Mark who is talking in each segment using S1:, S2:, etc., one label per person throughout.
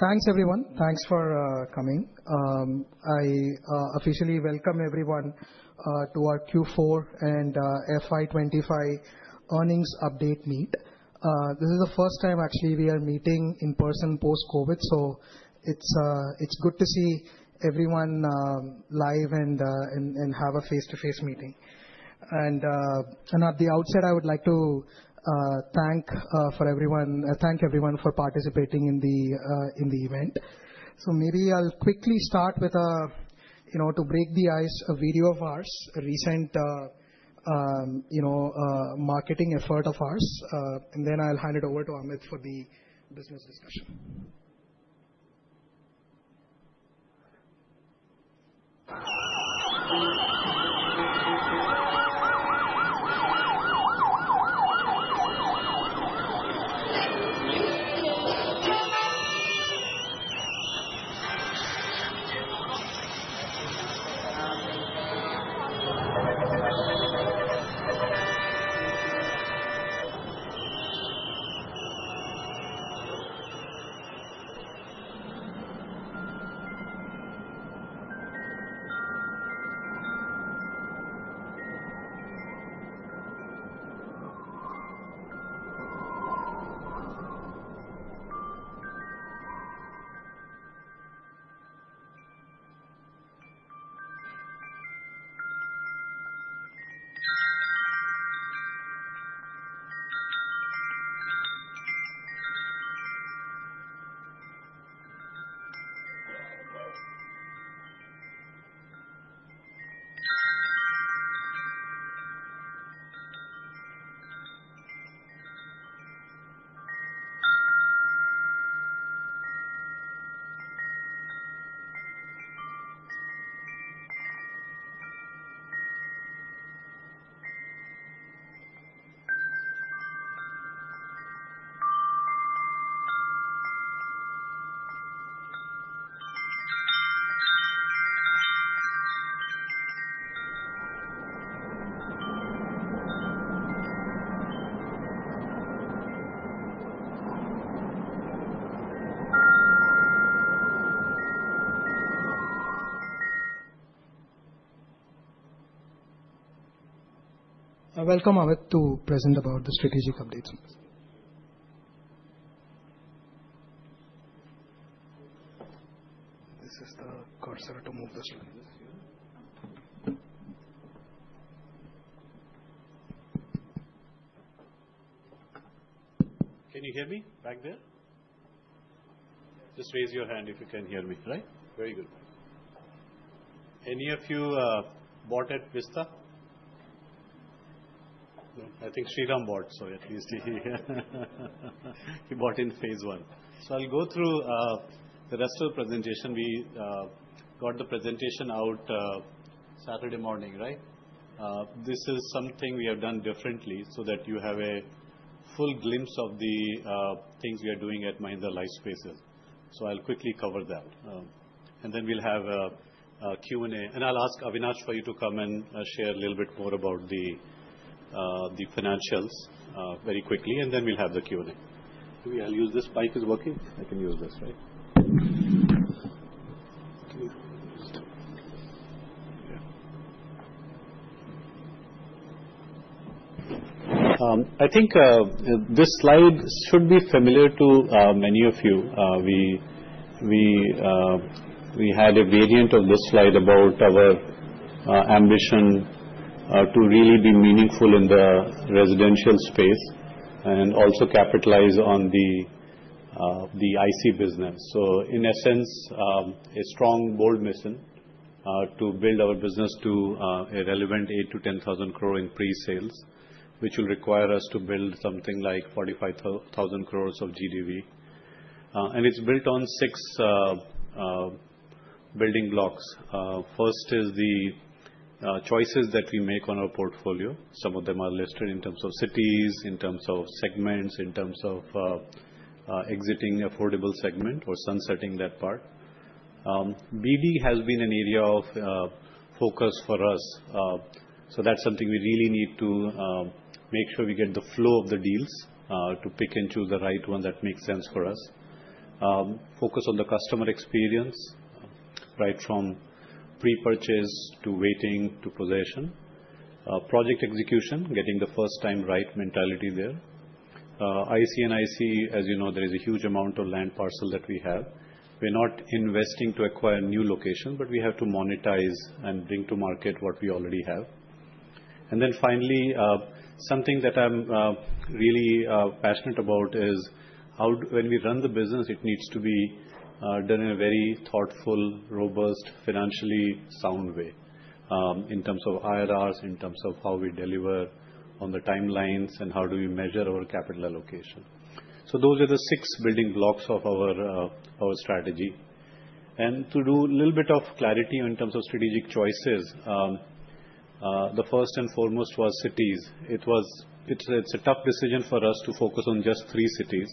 S1: Thanks, everyone. Thanks for coming. I officially welcome everyone to our Q4 and FY25 earnings update meet. This is the first time, actually, we are meeting in person post-COVID, so it's good to see everyone live and have a face-to-face meeting. At the outset, I would like to thank everyone for participating in the event. So maybe I'll quickly start with a, you know, to break the ice, a video of ours, a recent, you know, marketing effort of ours. And then I'll hand it over to Amit for the business discussion. Welcome, Amit, to present about the strategic updates. This is the cursor to move the screen.
S2: Can you hear me back there? Just raise your hand if you can hear me. Right? Very good. Any of you bought at Vista? No? I think Sriram bought, so at least he bought in Phase I. So I'll go through the rest of the presentation. We got the presentation out Saturday morning, right? This is something we have done differently so that you have a full glimpse of the things we are doing at Mahindra Lifespace. So I'll quickly cover that, and then we'll have a Q&A. I'll ask Avinash for you to come and share a little bit more about the financials, very quickly, and then we'll have the Q&A. Maybe I'll use this mic. Is it working? I can use this, right? I think this slide should be familiar to many of you. We had a variant of this slide about our ambition to really be meaningful in the residential space and also capitalize on the IC business. In essence, a strong bold mission to build our business to a relevant 8-10 thousand crore in pre-sales, which will require us to build something like 45 thousand crores of GDV, and it's built on six building blocks. First is the choices that we make on our portfolio. Some of them are listed in terms of cities, in terms of segments, in terms of exiting affordable segment or sunsetting that part. BD has been an area of focus for us. That's something we really need to make sure we get the flow of the deals to pick and choose the right one that makes sense for us. Focus on the customer experience, right from pre-purchase to waiting to possession. Project execution, getting the first-time-right mentality there. IC and IC, as you know, there is a huge amount of land parcel that we have. We're not investing to acquire new locations, but we have to monetize and bring to market what we already have. And then finally, something that I'm, really, passionate about is how, when we run the business, it needs to be, done in a very thoughtful, robust, financially sound way, in terms of IRRs, in terms of how we deliver on the timelines, and how do we measure our capital allocation. So those are the six building blocks of our strategy. And to do a little bit of clarity in terms of strategic choices, the first and foremost was cities. It's a tough decision for us to focus on just three cities.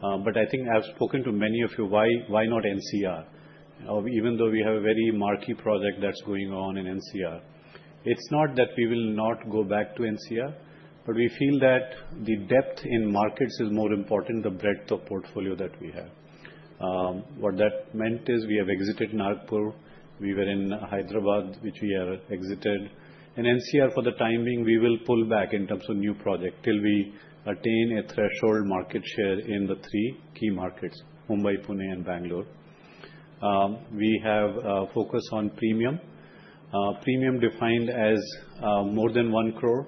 S2: But I think I've spoken to many of you, why not NCR? Even though we have a very marquee project that's going on in NCR, it's not that we will not go back to NCR, but we feel that the depth in markets is more important than the breadth of portfolio that we have. What that meant is we have exited Nagpur. We were in Hyderabad, which we have exited. In NCR, for the time being, we will pull back in terms of new projects till we attain a threshold market share in the three key markets, Mumbai, Pune, and Bengaluru. We have focus on premium. Premium defined as more than one crore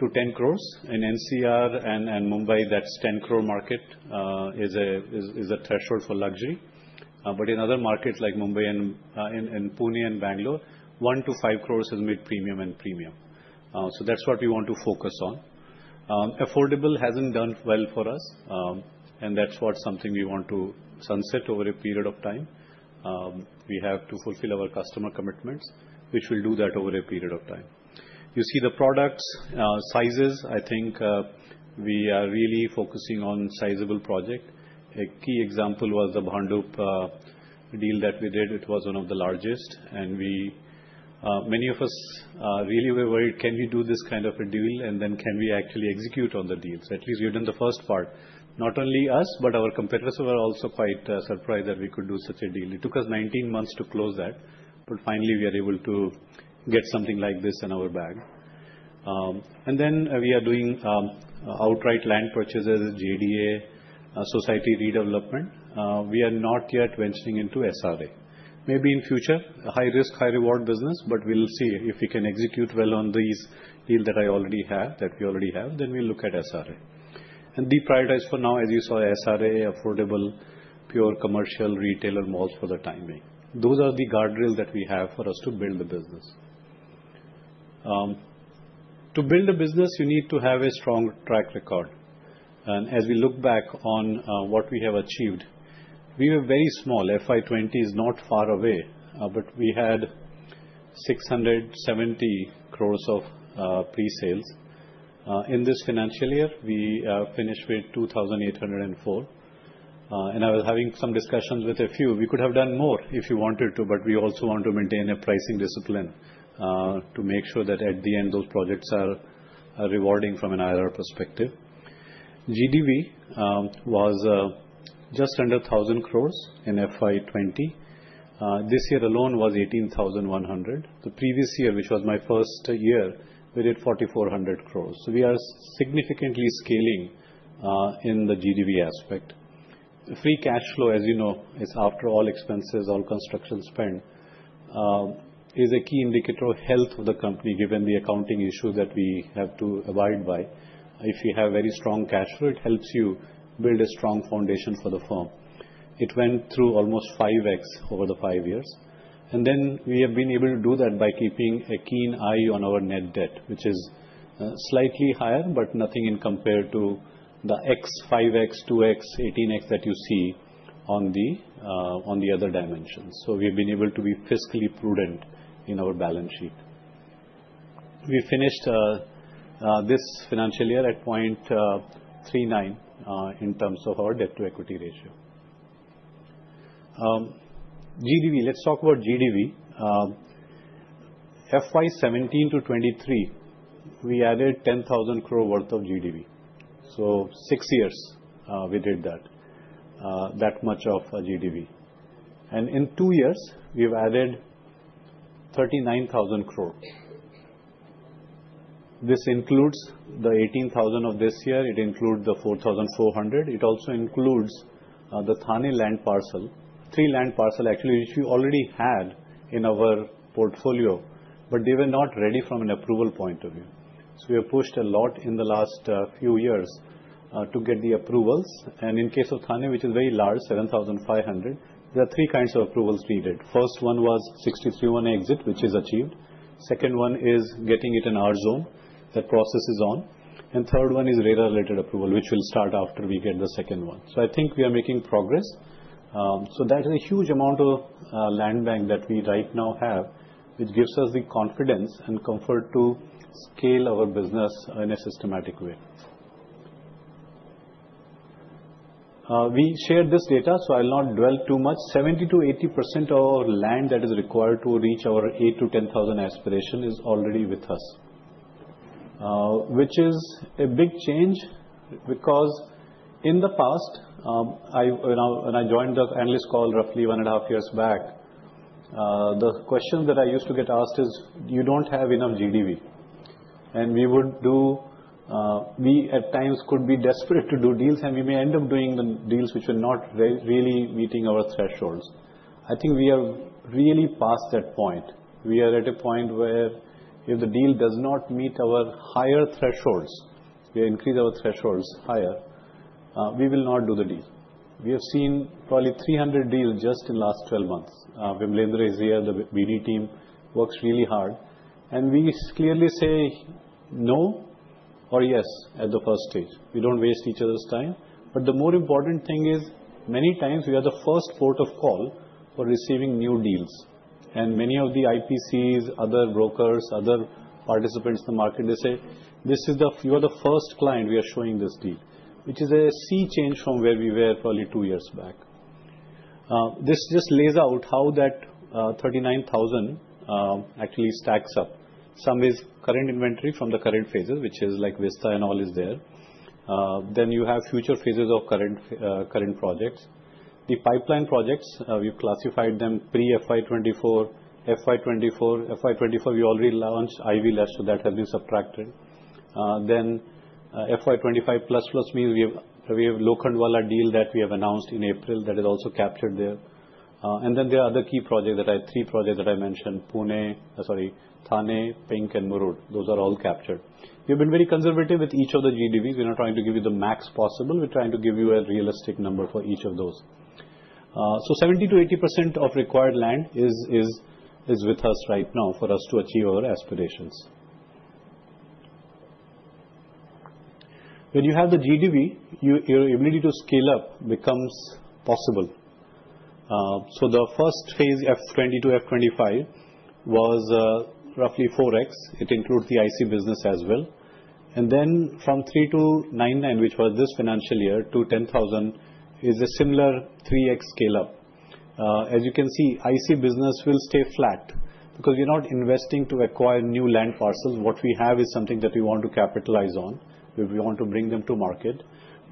S2: to ten crores. In NCR and Mumbai, that's ten crore market is a threshold for luxury. But in other markets like Mumbai and Pune and Bengaluru, one to five crores has made premium and premium. So that's what we want to focus on. Affordable hasn't done well for us, and that's what's something we want to sunset over a period of time. We have to fulfill our customer commitments, which will do that over a period of time. You see the products, sizes. I think we are really focusing on sizable projects. A key example was the Bhandup deal that we did. It was one of the largest, and we, many of us, really were worried, can we do this kind of a deal, and then can we actually execute on the deal? So at least we've done the first part. Not only us, but our competitors were also quite surprised that we could do such a deal. It took us 19 months to close that, but finally we are able to get something like this in our bag. And then we are doing outright land purchases, JDA, society redevelopment. We are not yet venturing into SRA. Maybe in future, a high-risk, high-reward business, but we'll see if we can execute well on these deals that I already have, that we already have, then we'll look at SRA. The priorities for now, as you saw, [no] SRA, affordable, pure commercial, retail malls for the time being. Those are the guardrails that we have for us to build the business. To build a business, you need to have a strong track record. And as we look back on what we have achieved, we were very small. FY 2020 is not far away, but we had 670 crores of pre-sales. In this financial year, we finished with 2,804. I was having some discussions with a few. We could have done more if you wanted to, but we also want to maintain a pricing discipline, to make sure that at the end, those projects are rewarding from an IRR perspective. GDV was just under 1,000 crores in FY 2020. This year alone was 18,100. The previous year, which was my first year, we did 4,400 crores. So we are significantly scaling in the GDV aspect. Free cash flow, as you know, is after all expenses, all construction spend, is a key indicator of health of the company, given the accounting issues that we have to abide by. If you have very strong cash flow, it helps you build a strong foundation for the firm. It went through almost 5X over the five years. Then we have been able to do that by keeping a keen eye on our net debt, which is slightly higher, but nothing in comparison to the 0.5x, 2x, 18x that you see on the other dimensions. We have been able to be fiscally prudent in our balance sheet. We finished this financial year at 0.39 in terms of our debt-to-equity ratio. GDV, let's talk about GDV. FY 2017–FY2023, we added 10,000 crore worth of GDV. So six years, we did that much of a GDV. In two years, we've added 39,000 crore. This includes the 18,000 of this year. It includes the 4,400. It also includes the Thane land parcel, three land parcels actually, which we already had in our portfolio, but they were not ready from an approval point of view. We have pushed a lot in the last few years to get the approvals. In case of Thane, which is very large, 7,500, there are three kinds of approvals we did. First one was 63-1A exit, which is achieved. Second one is getting it in our zone that process is on. And third one is RERA-related approval, which will start after we get the second one. So I think we are making progress. So that is a huge amount of land bank that we right now have, which gives us the confidence and comfort to scale our business in a systematic way. We shared this data, so I'll not dwell too much. 70%-80% of our land that is required to reach our 8–10 thousand aspiration is already with us, which is a big change because in the past, I, you know, when I joined the Analyst call roughly one and a half years back, the question that I used to get asked is, "You don't have enough GDV." And we would do, we at times could be desperate to do deals, and we may end up doing the deals which are not really meeting our thresholds. I think we are really past that point. We are at a point where if the deal does not meet our higher thresholds, we increase our thresholds higher, we will not do the deal. We have seen probably 300 deals just in the last 12 months. Vimalendra is here. The BD team works really hard. And we clearly say no or yes at the first stage. We don't waste each other's time. But the more important thing is, many times we are the first port of call for receiving new deals. And many of the IPCs, other brokers, other participants in the market, they say, "This is the, you are the first client we are showing this deal," which is a sea change from where we were probably two years back. This just lays out how that 39,000 actually stacks up. Some is current inventory from the current Phases, which is like Vista and all is there. Then you have future Phases of current, current projects. The pipeline projects, we've classified them pre-FY2024, FY2024. FY2024, we already launched Mahindra Lifespace, so that has been subtracted. Then, FY2025+ means we have, we have Lokhandwala deal that we have announced in April that is also captured there. And then there are other key projects that I have three projects that I mentioned: Pune, sorry, Thane, Pimpri, and Murud. Those are all captured. We have been very conservative with each of the GDVs. We're not trying to give you the max possible. We're trying to give you a realistic number for each of those. So 70%–80% of required land is with us right now for us to achieve our aspirations. When you have the GDV, your ability to scale up becomes possible. So the first Phase, FY2022, FY2025, was roughly 4X. It includes the IC business as well. And then from FY2023 to FY2029, which was this financial year to 10,000, is a similar 3X scale-up. As you can see, IC business will stay flat because we're not investing to acquire new land parcels. What we have is something that we want to capitalize on. We want to bring them to market.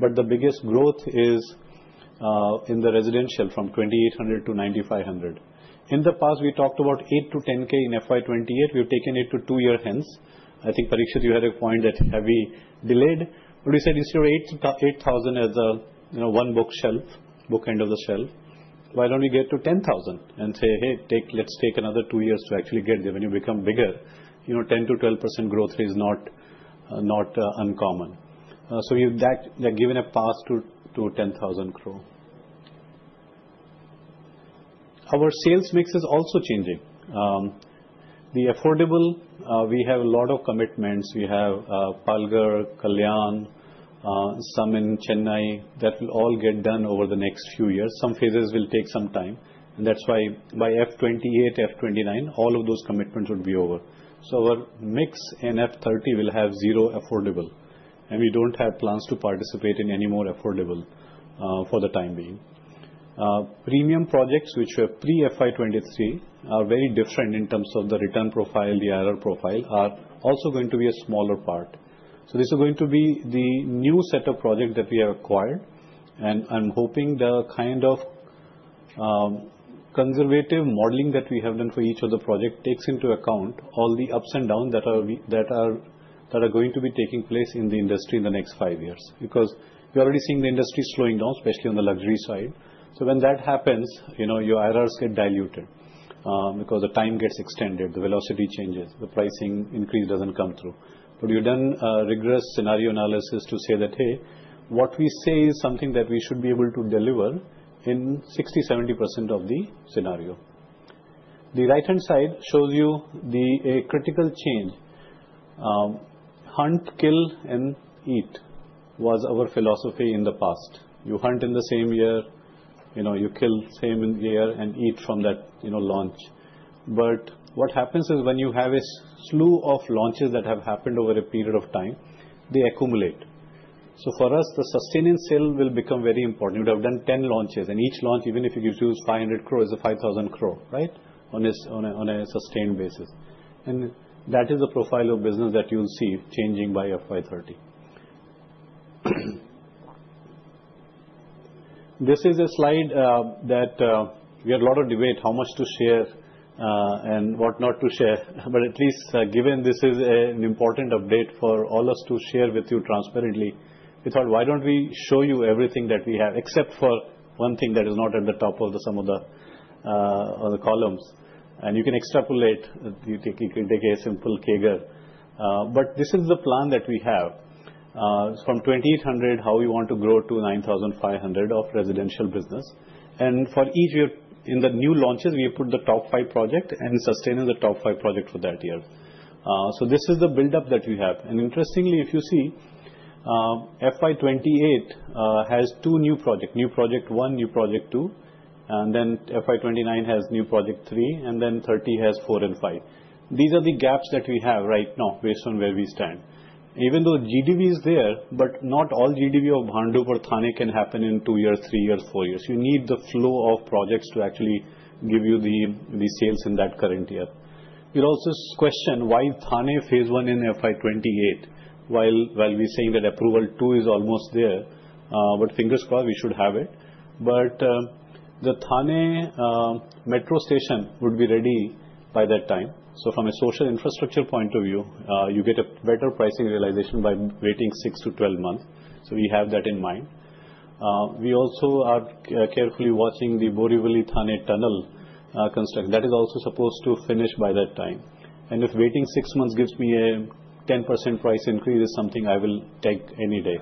S2: But the biggest growth is in the residential from 2,800–9,500. In the past, we talked about 8–10K in FY2028. We've taken it to two-year hence. I think, Parikshit, you had a point that have we delayed. But we said instead of 8,000 as a, you know, one-book shelf, book end of the shelf, why don't we get to 10,000 and say, "Hey, let's take another two years to actually get there." When you become bigger, you know, 10%-12% growth rate is not uncommon. So you that that given a path to 10,000 crore. Our sales mix is also changing. The affordable, we have a lot of commitments. We have Palghar, Kalyan, some in Chennai. That will all get done over the next few years. Some Phases will take some time, and that's why by FY2028, FY2029, all of those commitments would be over, so our mix in FY2030 will have zero affordable, and we don't have plans to participate in any more affordable, for the time being, premium projects which were pre-FY2023 are very different in terms of the return profile, the IRR profile, are also going to be a smaller part, so these are going to be the new set of projects that we have acquired, and I'm hoping the kind of conservative modeling that we have done for each of the projects takes into account all the ups and downs that are going to be taking place in the industry in the next five years because you're already seeing the industry slowing down, especially on the luxury side. So when that happens, you know, your IRRs get diluted, because the time gets extended, the velocity changes, the pricing increase doesn't come through. But we've done a rigorous scenario analysis to say that, "Hey, what we say is something that we should be able to deliver in 60%–70% of the scenario." The right-hand side shows you the critical change. Hunt, kill, and eat was our philosophy in the past. You hunt in the same year, you know, you kill same in the year and eat from that, you know, launch. But what happens is when you have a slew of launches that have happened over a period of time, they accumulate. So for us, the sustaining sale will become very important. You would have done 10 launches, and each launch, even if you give to 500 crore, is a 5,000 crore, right, on a sustained basis. And that is the profile of business that you'll see changing by FY30. This is a slide that we had a lot of debate, how much to share, and what not to share. But at least, given this is an important update for all of us to share with you transparently, we thought, "Why don't we show you everything that we have, except for one thing that is not at the top of some of the columns?" And you can extrapolate. You can take a simple calculation, but this is the plan that we have, from 2,800, how we want to grow to 9,500 of residential business. And for each year, in the new launches, we have put the top five projects and sustaining the top five projects for that year. So this is the buildup that we have. And interestingly, if you see, FY2028 has two new projects: new project one, new project two. And then FY2029 has new project three, and then 30 has four and five. These are the gaps that we have right now based on where we stand. Even though GDV is there, but not all GDV of Bhandup or Thane can happen in two years, three years, four years. You need the flow of projects to actually give you the sales in that current year. You'll also question why Thane Phase I in FY2028 while we're saying that approval too is almost there, but fingers crossed we should have it. But the Thane metro station would be ready by that time. So from a social infrastructure point of view, you get a better pricing realization by waiting six to 12 months. So we have that in mind. We also are carefully watching the Borivali-Thane Tunnel construction. That is also supposed to finish by that time. And if waiting six months gives me a 10% price increase, it's something I will take any day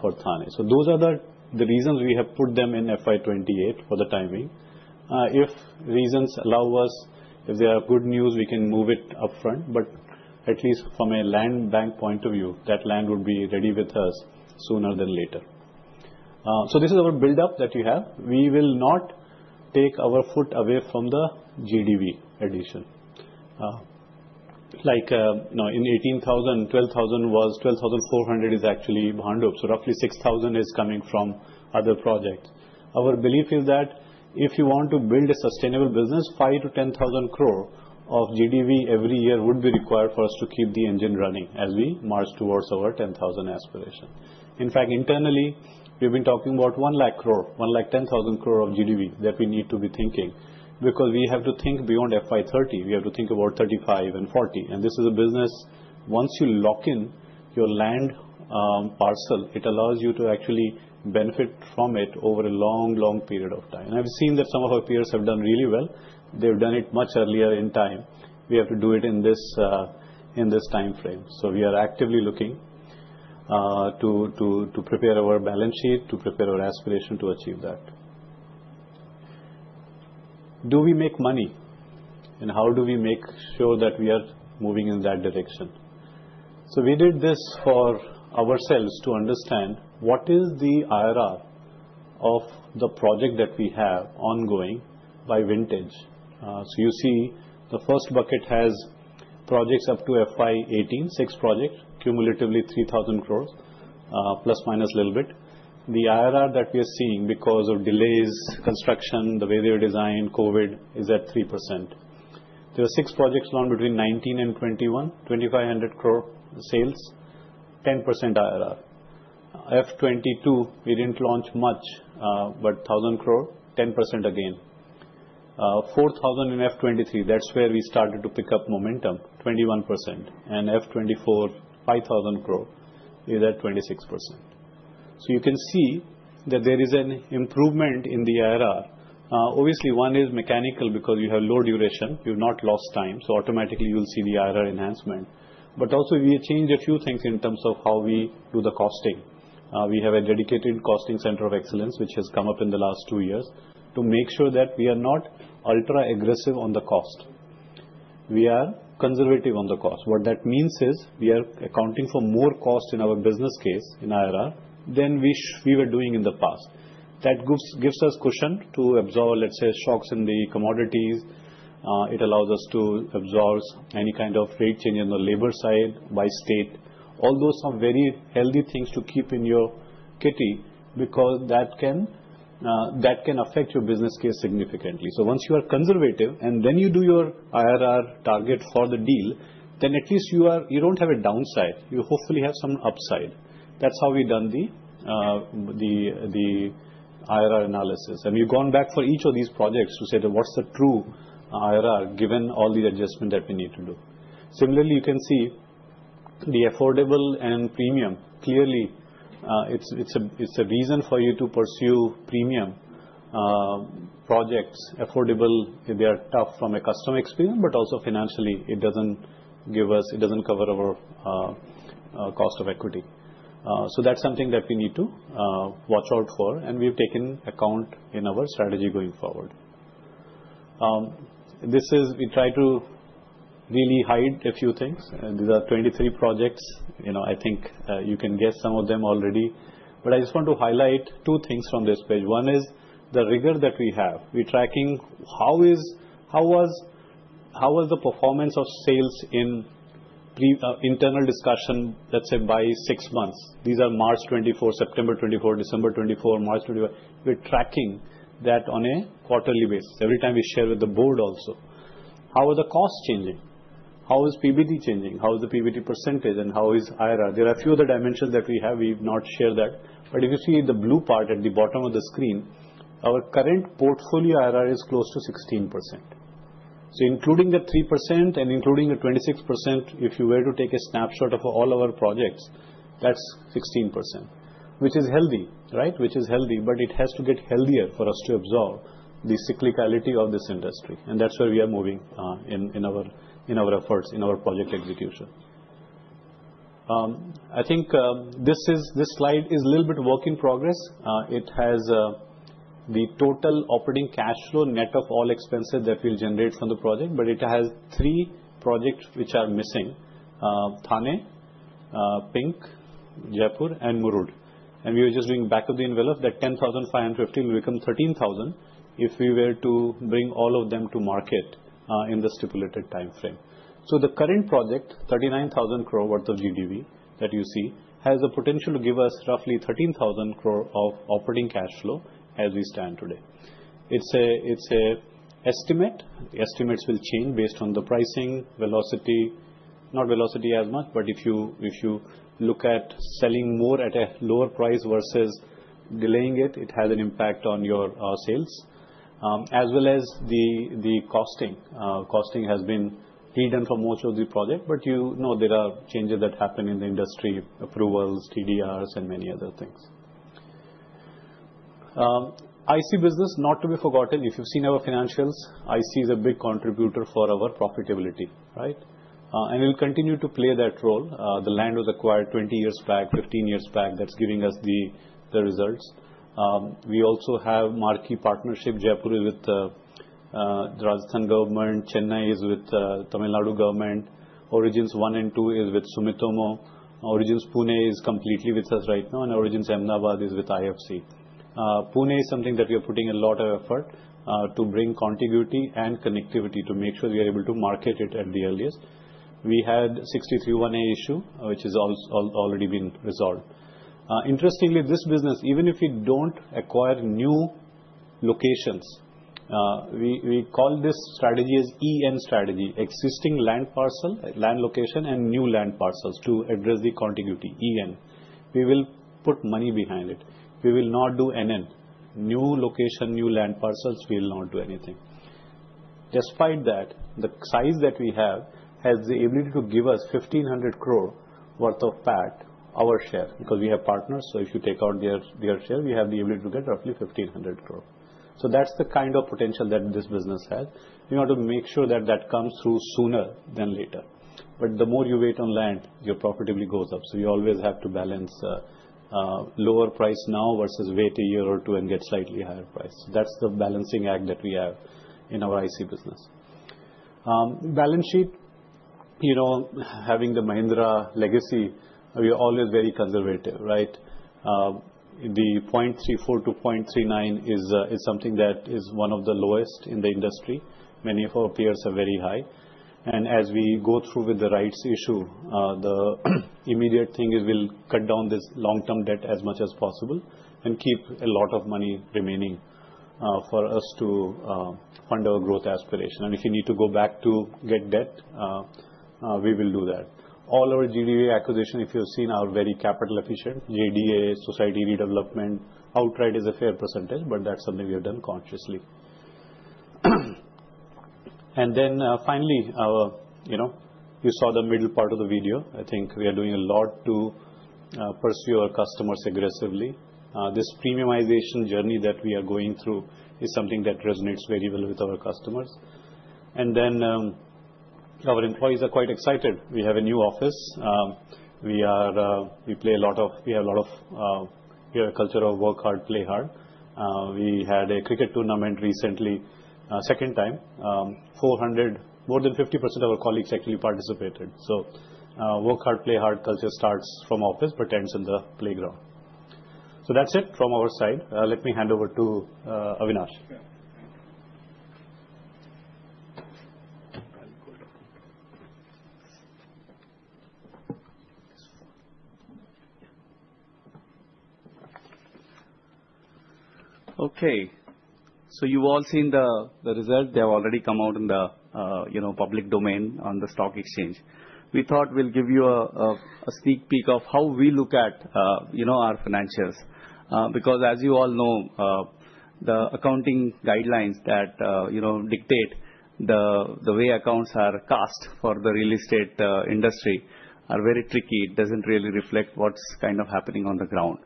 S2: for Thane. So those are the reasons we have put them in FY2028 for the timing. If reasons allow us, if there are good news, we can move it upfront. But at least from a land bank point of view, that land would be ready with us sooner than later. So this is our buildup that we have. We will not take our foot away from the GDV addition. like, you know, in 18,000, 12,000 was 12,400 is actually Bhandup. So roughly 6,000 is coming from other projects. Our belief is that if you want to build a sustainable business, 5,000-10,000 crore of GDV every year would be required for us to keep the engine running as we march towards our 10,000 aspiration. In fact, internally, we've been talking about 1 lakh crore, 1,100,000 crore of GDV that we need to be thinking because we have to think beyond FY2030. We have to think about FY2035 and FY2040. And this is a business, once you lock in your land, parcel, it allows you to actually benefit from it over a long, long period of time. And I've seen that some of our peers have done really well. They've done it much earlier in time. We have to do it in this, in this time frame. So we are actively looking to prepare our balance sheet, to prepare our aspiration to achieve that. Do we make money? And how do we make sure that we are moving in that direction? So we did this for ourselves to understand what is the IRR of the project that we have ongoing by vintage. So you see the first bucket has projects up to FY2018, six projects, cumulatively 3,000 crore, plus minus a little bit. The IRR that we are seeing because of delays, construction, the way they were designed, COVID, is at 3%. There are six projects launched between 19 and 21, 2,500 crore sales, 10% IRR. FY2022, we didn't launch much, but 1,000 crore, 10% again. 4,000 crore in FY2023, that's where we started to pick up momentum, 21%. And FY2024, 5,000 crore, is at 26%. So you can see that there is an improvement in the IRR. Obviously, one is mechanical because you have low duration. You've not lost time. So automatically, you'll see the IRR enhancement. But also, we changed a few things in terms of how we do the costing. We have a dedicated costing Center of Excellence, which has come up in the last two years to make sure that we are not ultra-aggressive on the cost. We are conservative on the cost. What that means is we are accounting for more cost in our business case in IRR than we were doing in the past. That gives us cushion to absorb, let's say, shocks in the commodities. It allows us to absorb any kind of rate change on the labor side by state. All those are very healthy things to keep in your kitty because that can affect your business case significantly, so once you are conservative and then you do your IRR target for the deal, then at least you don't have a downside. You hopefully have some upside. That's how we've done the IRR analysis, and we've gone back for each of these projects to say that what's the true IRR given all the adjustment that we need to do. Similarly, you can see the affordable and premium. Clearly, it's a reason for you to pursue premium projects. Affordable, they are tough from a customer experience, but also financially, it doesn't cover our cost of equity, so that's something that we need to watch out for, and we've taken account in our strategy going forward. This is. We try to really hide a few things. These are 23 projects. You know, I think, you can guess some of them already. But I just want to highlight two things from this page. One is the rigor that we have. We're tracking how was the performance of sales in pre-internal discussion, let's say, by six months. These are March 2024, September 2024, December 2024, March 2024. We're tracking that on a quarterly basis. Every time we share with the Board also. How are the costs changing? How is PBT changing? How is the PBT percentage? And how is IRR? There are a few other dimensions that we have. We've not shared that. But if you see the blue part at the bottom of the screen, our current portfolio IRR is close to 16%. So including the 3% and including the 26%, if you were to take a snapshot of all our projects, that's 16%, which is healthy, right? Which is healthy, but it has to get healthier for us to absorb the cyclicality of this industry. And that's where we are moving, in, in our, in our efforts, in our project execution. I think, this is, this slide is a little bit work in progress. It has, the total operating cash flow net of all expenses that we'll generate from the project, but it has three projects which are missing: Thane, Pink, Jaipur, and Murud. And we were just doing back of the envelope that 10,550 will become 13,000 if we were to bring all of them to market, in the stipulated time frame. So the current project, 39,000 crore worth of GDV that you see, has the potential to give us roughly 13,000 crore of operating cash flow as we stand today. It's a, it's a estimate. Estimates will change based on the pricing velocity. Not velocity as much, but if you, if you look at selling more at a lower price versus delaying it, it has an impact on your, sales, as well as the, the costing. Costing has been hidden for most of the project, but you know there are changes that happen in the industry: approvals, TDRs, and many other things. IC business, not to be forgotten. If you've seen our financials, IC is a big contributor for our profitability, right? And it'll continue to play that role. The land was acquired 20 years back, 15 years back. That's giving us the, the results. We also have marquee partnership. Jaipur is with the Rajasthan government. Chennai is with the Tamil Nadu government. Origins One and Two is with Sumitomo. Origins Pune is completely with us right now. And Origins Ahmedabad is with IFC. Pune is something that we are putting a lot of effort to bring continuity and connectivity to make sure we are able to market it at the earliest. We had 79A issue, which has already been resolved. Interestingly, this business, even if we don't acquire new locations, we call this strategy as EN strategy: existing land parcel, land location, and new land parcels to address the continuity. EN. We will put money behind it. We will not do NN. New location, new land parcels, we'll not do anything. Despite that, the size that we have has the ability to give us 1,500 crore worth of PAT, our share, because we have partners. So if you take out their share, we have the ability to get roughly 1,500 crore. So that's the kind of potential that this business has. We want to make sure that that comes through sooner than later. But the more you wait on land, your profitability goes up. So you always have to balance, lower price now versus wait a year or two and get slightly higher price. So that's the balancing act that we have in our IC business. Balance sheet, you know, having the Mahindra legacy, we are always very conservative, right? The 0.34–0.39 is something that is one of the lowest in the industry. Many of our peers are very high. As we go through with the rights issue, the immediate thing is we'll cut down this long-term debt as much as possible and keep a lot of money remaining for us to fund our growth aspiration. If you need to go back to get debt, we will do that. All our GDV acquisition, if you've seen our very capital-efficient JDA, society redevelopment, outright is a fair percentage, but that's something we have done consciously. Finally, you know, you saw the middle part of the video. I think we are doing a lot to pursue our customers aggressively. This premiumization journey that we are going through is something that resonates very well with our customers. Our employees are quite excited. We have a new office. We have a culture of work hard, play hard. We had a cricket tournament recently, second time. 400, more than 50% of our colleagues actually participated. So, work hard, play hard culture starts from office but ends in the playground. So that's it from our side. Let me hand over to Avinash.
S3: Okay. So you've all seen the result. They have already come out in the public domain on the stock exchange. We thought we'll give you a sneak peek of how we look at our financials. Because as you all know, the accounting guidelines that dictate the way accounts are cast for the real estate industry are very tricky. It doesn't really reflect what's kind of happening on the ground.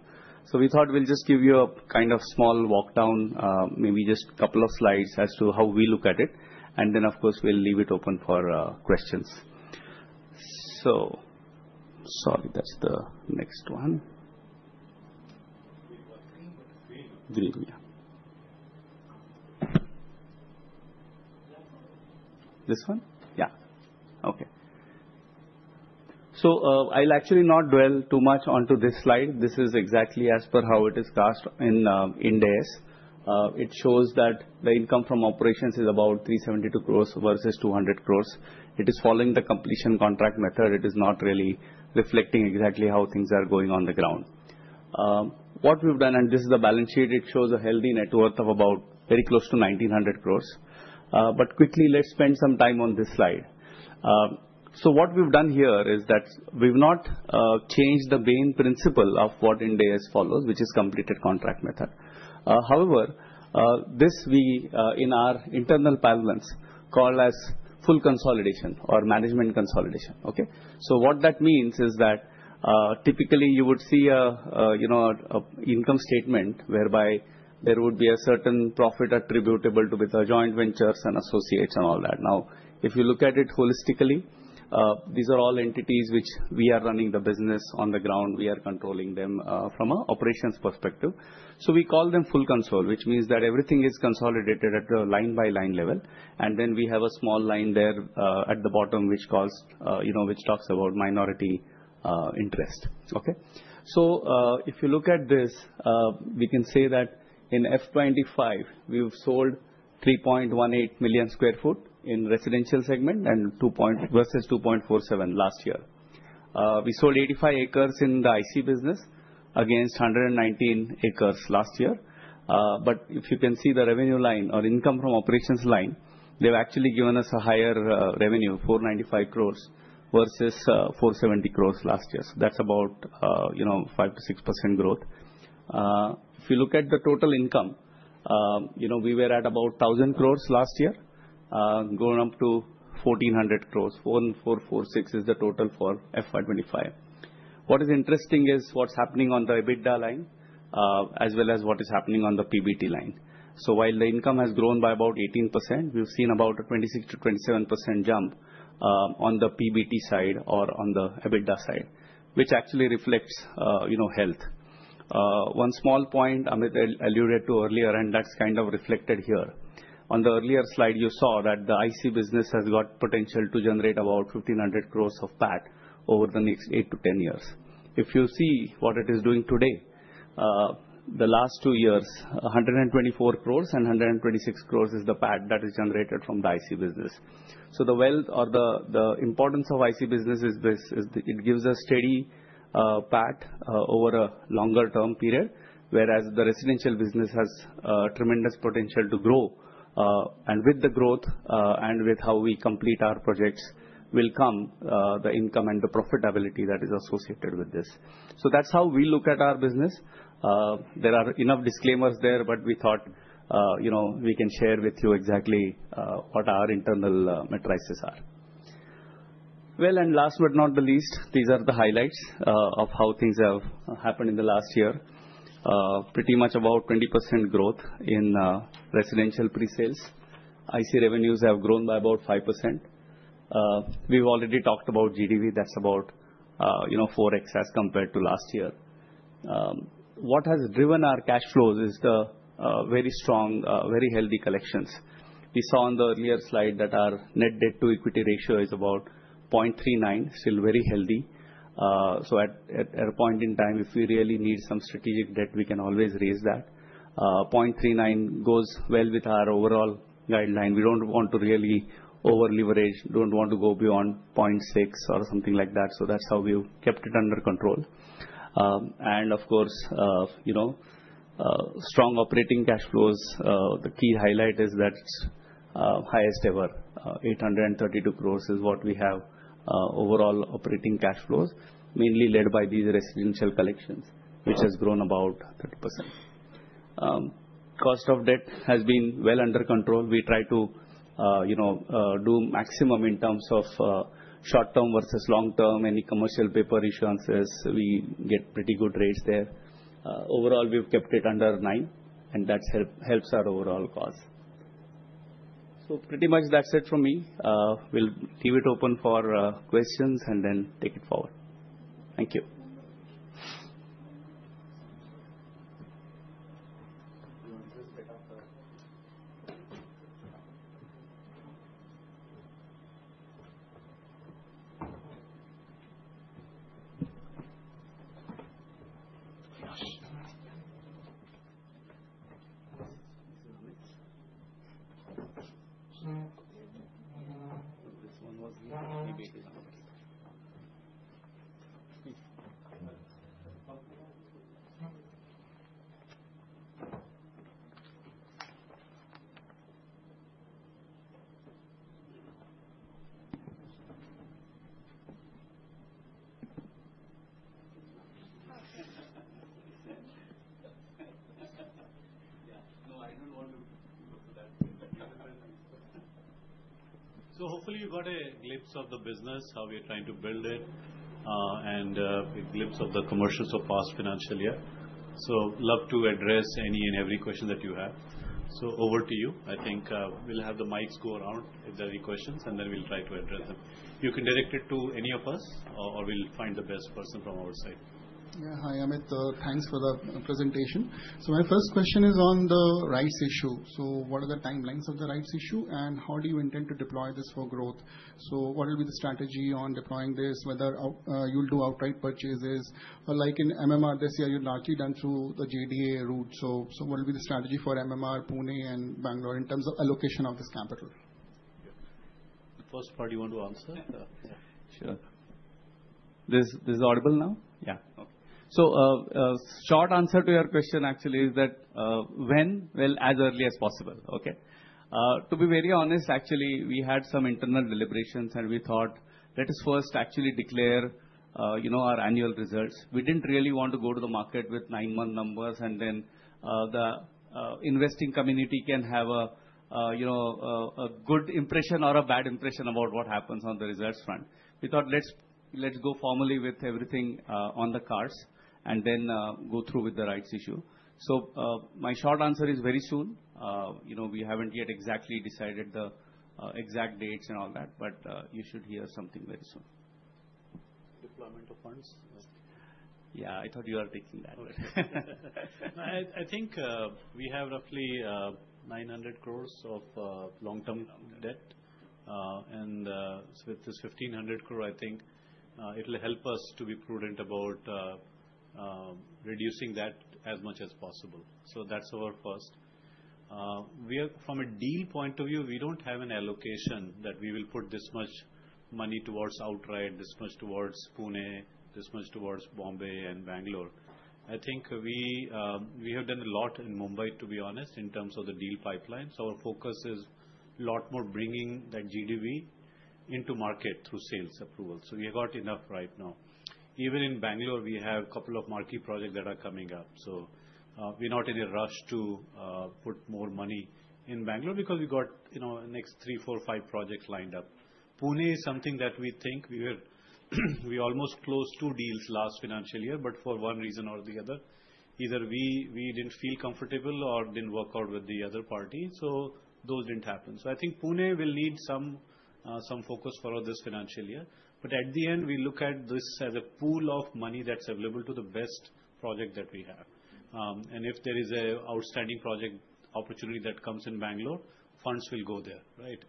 S3: So we thought we'll just give you a kind of small walk down, maybe just a couple of slides as to how we look at it. And then, of course, we'll leave it open for questions.
S2: So, sorry, that's the next one. Green, yeah.
S3: This one?
S2: Yeah. Okay.
S3: So, I'll actually not dwell too much onto this slide. This is exactly as per how it is cast in Ind AS. It shows that the income from operations is about 372 crores versus 200 crores. It is following the completion contract method. It is not really reflecting exactly how things are going on the ground. What we've done, and this is the balance sheet, it shows a healthy net worth of about very close to 1,900 crores. But quickly, let's spend some time on this slide. So what we've done here is that we've not changed the main principle of what Ind AS follows, which is completed contract method. However, this we, in our internal parlance, call as full consolidation or management consolidation. Okay? So what that means is that, typically you would see a, you know, income statement whereby there would be a certain profit attributable to with the joint ventures and associates and all that. Now, if you look at it holistically, these are all entities which we are running the business on the ground. We are controlling them, from an operations perspective. So we call them full consolidation, which means that everything is consolidated at the line-by-line level. And then we have a small line there, at the bottom, which talks about minority interest. Okay? If you look at this, we can say that in FY25, we've sold 3.18 million sq ft in residential segment versus 2.47 million sq ft last year. We sold 85 acres in the IC business against 119 acres last year. But if you can see the revenue line or income from operations line, they've actually given us a higher revenue, 495 crores versus 470 crores last year. So that's about, you know, 5%–6% growth. If you look at the total income, you know, we were at about 1,000 crores last year, going up to 1,400 crores. 1,446 is the total for FY25. What is interesting is what's happening on the EBITDA line, as well as what is happening on the PBT line. So while the income has grown by about 18%, we've seen about a 26%–27% jump on the PBT side or on the EBITDA side, which actually reflects, you know, health. One small point Amit alluded to earlier, and that's kind of reflected here. On the earlier slide, you saw that the IC business has got potential to generate about 1,500 crores of PAT over the next eight to ten years. If you see what it is doing today, the last two years, 124 crores and 126 crores is the PAT that is generated from the IC business. So the wealth or the importance of IC business is this, is it gives a steady PAT over a longer term period, whereas the residential business has tremendous potential to grow. And with the growth, and with how we complete our projects will come the income and the profitability that is associated with this. So that's how we look at our business. There are enough disclaimers there, but we thought, you know, we can share with you exactly what our internal metrics are. Well, and last but not the least, these are the highlights of how things have happened in the last year. Pretty much about 20% growth in residential pre-sales. IC revenues have grown by about 5%. We've already talked about GDV. That's about, you know, 4X as compared to last year. What has driven our cash flows is the very strong, very healthy collections. We saw on the earlier slide that our net debt-to-equity ratio is about 0.39, still very healthy. So at a point in time, if we really need some strategic debt, we can always raise that. 0.39 goes well with our overall guideline. We don't want to really over-leverage, don't want to go beyond 0.6 or something like that. So that's how we've kept it under control. And of course, you know, strong operating cash flows. The key highlight is that it's highest ever. 832 crores is what we have, overall operating cash flows, mainly led by these residential collections, which has grown about 30%. cost of debt has been well under control. We try to, you know, do maximum in terms of, short term versus long term. Any commercial paper issuances, we get pretty good rates there. Overall, we've kept it under nine, and that helps our overall cause. So pretty much that's it from me. We'll leave it open for questions and then take it forward. Thank you.
S2: So hopefully you got a glimpse of the business, how we are trying to build it, and a glimpse of the commercials of past financial year. So love to address any and every question that you have. So over to you. I think we'll have the mics go around. If there are any questions, and then we'll try to address them. You can direct it to any of us, or we'll find the best person from our side. Yeah. Hi, Amit. Thanks for the presentation. So my first question is on the Rights Issue. So what are the timelines of the Rights Issue and how do you intend to deploy this for growth? So what will be the strategy on deploying this, whether you'll do outright purchases or like in MMR this year, you've largely done through the JDA route. So, so what will be the strategy for MMR, Pune, and Bengaluru in terms of allocation of this capital? The first part you want to answer?
S3: Yeah. Sure.
S2: This is audible now?
S3: Yeah. Okay. Short answer to your question actually is that, when, well, as early as possible. Okay? To be very honest, actually we had some internal deliberations and we thought let us first actually declare, you know, our annual results. We didn't really want to go to the market with nine-month numbers and then, the, investing community can have a, you know, a good impression or a bad impression about what happens on the results front. We thought let's go formally with everything on the cards and then go through with the rights issue. So my short answer is very soon. You know, we haven't yet exactly decided the exact dates and all that, but you should hear something very soon.
S2: Deployment of funds?
S3: Yeah, I thought you were taking that.
S2: I think we have roughly 900 crores of long-term debt. And with this 1,500 crore, I think it'll help us to be prudent about reducing that as much as possible. So that's our first. We are from a deal point of view. We don't have an allocation that we will put this much money towards outright, this much towards Pune, this much towards Bombay and Bengaluru. I think we have done a lot in Mumbai, to be honest, in terms of the deal pipelines. Our focus is a lot more bringing that GDV into market through sales approval. So we have got enough right now. Even in Bengaluru, we have a couple of marquee projects that are coming up. So, we're not in a rush to put more money in Bengaluru because we got, you know, next three, four, five projects lined up. Pune is something that we think we were, we almost closed two deals last financial year, but for one reason or the other, either we, we didn't feel comfortable or didn't work out with the other party. So those didn't happen. So I think Pune will need some focus for this financial year. But at the end, we look at this as a pool of money that's available to the best project that we have. And if there is an outstanding project opportunity that comes in Bengaluru, funds will go there, right?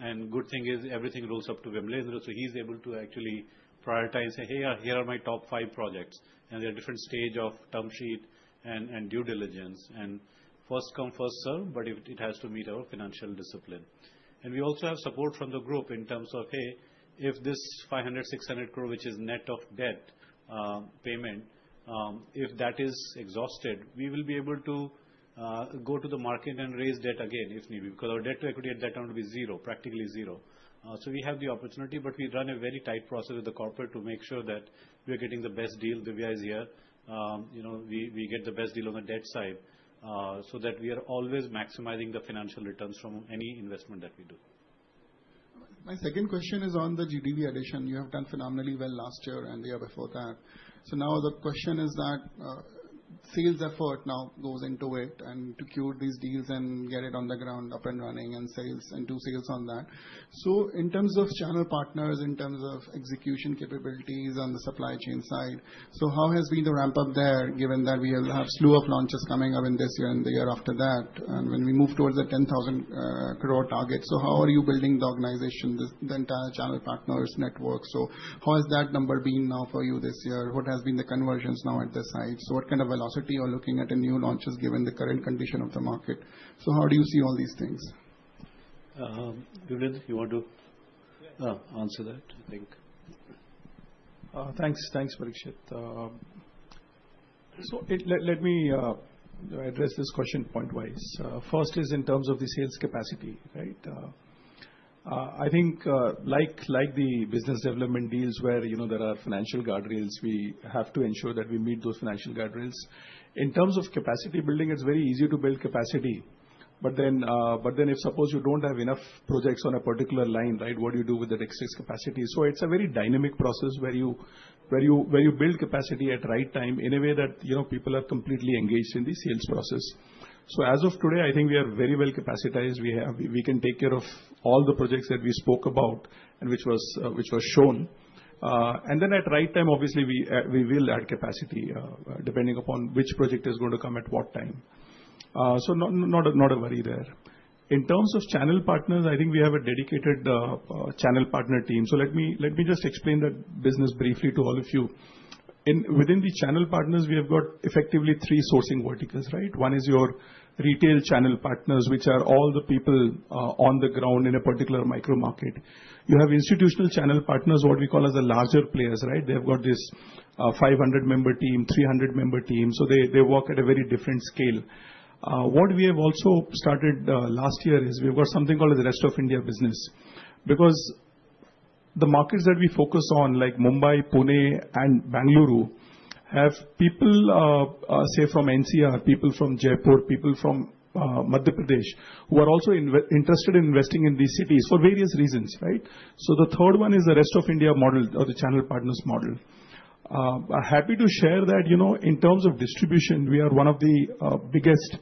S2: And good thing is everything rolls up to Vimalendra. So he's able to actually prioritize and say, "Hey, here are my top five projects." And there are different stages of term sheet and, and due diligence. And first come, first served, but it has to meet our financial discipline. And we also have support from the group in terms of, "Hey, if this 500–600 crore, which is net of debt, payment, if that is exhausted, we will be able to, go to the market and raise debt again if need be," because our debt to equity at that time would be zero, practically zero. So we have the opportunity, but we run a very tight process with the corporate to make sure that we are getting the best deal. The FSI is high. You know, we get the best deal on the debt side, so that we are always maximizing the financial returns from any investment that we do. My second question is on the GDV addition. You have done phenomenally well last year and the year before that. So now the question is that sales effort now goes into it and to queue these deals and get it on the ground, up and running and sales, and do sales on that. So in terms of channel partners, in terms of execution capabilities on the supply chain side, so how has been the ramp up there given that we have a slew of launches coming up in this year and the year after that, and when we move towards the 10,000 crore target? So how are you building the organization, the entire channel partners network? So how has that number been now for you this year? What has been the conversions now at this site? So what kind of velocity are you looking at in new launches given the current condition of the market? So how do you see all these things? Vimal, you want to answer that, I think.
S4: Thanks. Thanks, Parikshit. So let me address this question point-wise. First is in terms of the sales capacity, right? I think, like the business development deals where, you know, there are financial guardrails, we have to ensure that we meet those financial guardrails. In terms of capacity building, it's very easy to build capacity, but then if suppose you don't have enough projects on a particular line, right, what do you do with the excess capacity? So it's a very dynamic process where you build capacity at the right time in a way that, you know, people are completely engaged in the sales process. So as of today, I think we are very well capacitated. We can take care of all the projects that we spoke about and which was shown and then at the right time, obviously we will add capacity, depending upon which project is going to come at what time. So not a worry there. In terms of channel partners, I think we have a dedicated channel partner team. So let me just explain that business briefly to all of you. Within the channel partners, we have got effectively three sourcing verticals, right? One is your retail channel partners, which are all the people on the ground in a particular micro-market. You have institutional channel partners, what we call as the larger players, right? They've got this 500-member team, 300-member team. So they work at a very different scale. What we have also started last year is we've got something called the rest of India business because the markets that we focus on, like Mumbai, Pune, and Bengaluru, have people, say from NCR, people from Jaipur, people from Madhya Pradesh who are also interested in investing in these cities for various reasons, right? So the third one is the rest of India model or the channel partners model. I'm happy to share that, you know, in terms of distribution, we are one of the biggest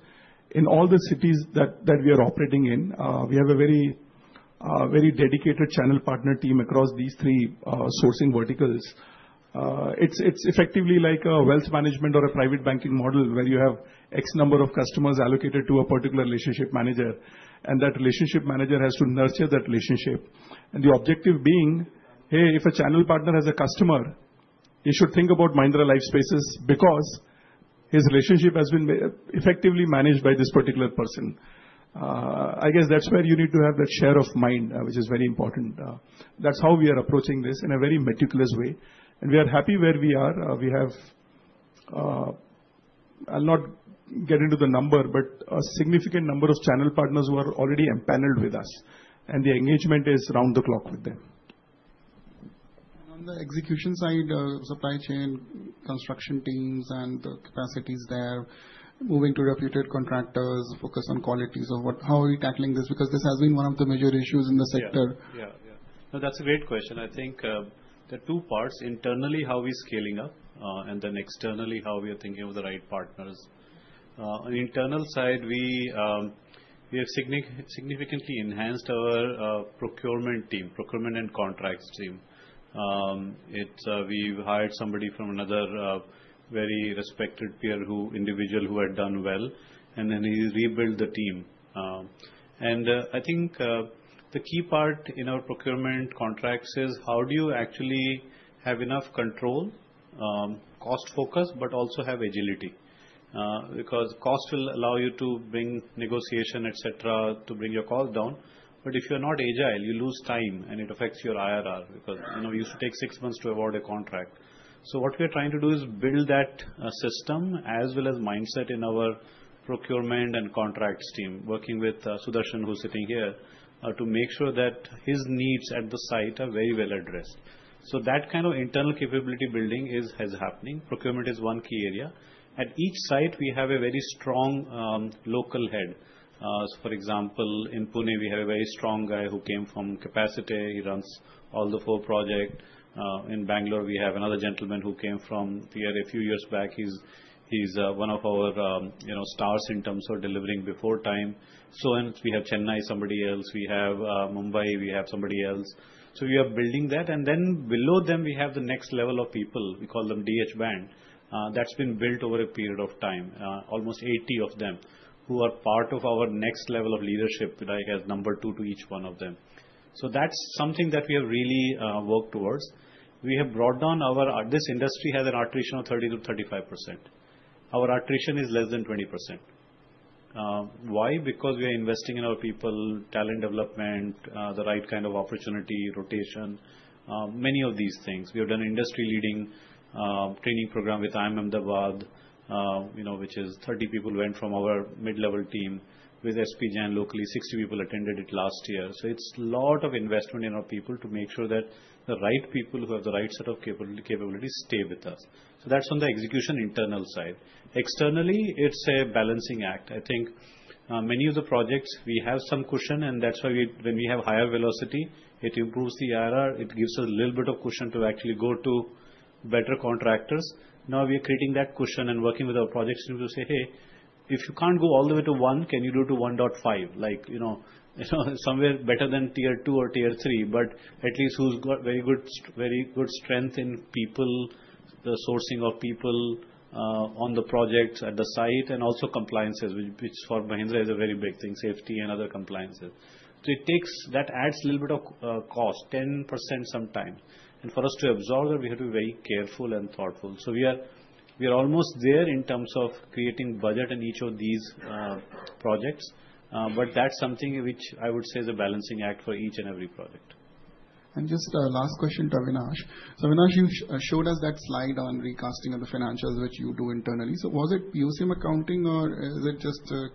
S4: in all the cities that we are operating in. We have a very, very dedicated channel partner team across these three sourcing verticals. It's effectively like a wealth management or a private banking model where you have X number of customers allocated to a particular relationship manager, and that relationship manager has to nurture that relationship. The objective being, hey, if a channel partner has a customer, you should think about Mahindra Lifespace because his relationship has been effectively managed by this particular person. I guess that's where you need to have that share of mind, which is very important. That's how we are approaching this in a very meticulous way. We are happy where we are. We have, I'll not get into the number, but a significant number of channel partners who are already empaneled with us, and the engagement is round the clock with them. On the execution side, supply chain construction teams and the capacities there, moving to reputed contractors, focus on qualities of what, how are you tackling this? Because this has been one of the major issues in the sector. Yeah, yeah, yeah. No, that's a great question.
S2: I think there are two parts: internally, how we are scaling up, and then externally, how we are thinking of the right partners. On the internal side, we have significantly enhanced our procurement team, procurement and contracts team. It's. We've hired somebody from another very respected peer, an individual who had done well, and then he rebuilt the team. And I think the key part in our procurement contracts is how do you actually have enough control, cost focus, but also have agility, because cost will allow you to bring negotiation, et cetera, to bring your cost down. But if you're not agile, you lose time and it affects your IRR because you know you used to take six months to award a contract. So what we are trying to do is build that system as well as mindset in our procurement and contracts team, working with Sudarshan, who's sitting here, to make sure that his needs at the site are very well addressed. So that kind of internal capability building is happening. Procurement is one key area. At each site, we have a very strong local head. For example, in Pune, we have a very strong guy who came from Capacit'e. He runs all the four projects. In Bengaluru, we have another gentleman who came from here a few years back. He's one of our, you know, stars in terms of delivering before time. So we have Chennai, somebody else. We have Mumbai, we have somebody else. So we are building that. And then below them, we have the next level of people. We call them D-band. That's been built over a period of time, almost 80 of them who are part of our next level of leadership that I have numbered two to each one of them. So that's something that we have really worked towards. We have brought down our, this industry has an attrition of 30%–35%. Our attrition is less than 20%. Why? Because we are investing in our people, talent development, the right kind of opportunity rotation, many of these things. We have done an industry-leading training program with IIM Ahmedabad, you know, which is 30 people went from our mid-level team with SPJIMR locally. 60 people attended it last year. So it's a lot of investment in our people to make sure that the right people who have the right set of capabilities stay with us. So that's on the execution internal side. Externally, it's a balancing act. I think many of the projects we have some cushion, and that's why we, when we have higher velocity, it improves the IRR. It gives us a little bit of cushion to actually go to better contractors. Now we are creating that cushion and working with our projects team to say, "Hey, if you can't go all the way to one, can you do to 1.5?" Like, you know, you know, somewhere better than tier two or tier three, but at least who's got very good, very good strength in people, the sourcing of people, on the projects at the site, and also compliances, which for Mahindra is a very big thing, safety and other compliances. So it takes that adds a little bit of cost, 10% sometimes. And for us to absorb that, we have to be very careful and thoughtful. So we are almost there in terms of creating budget in each of these projects. But that's something which I would say is a balancing act for each and every project. And just a last question to Avinash. So Avinash, you showed us that slide on recasting of the financials, which you do internally. So was it POCM accounting or is it just a?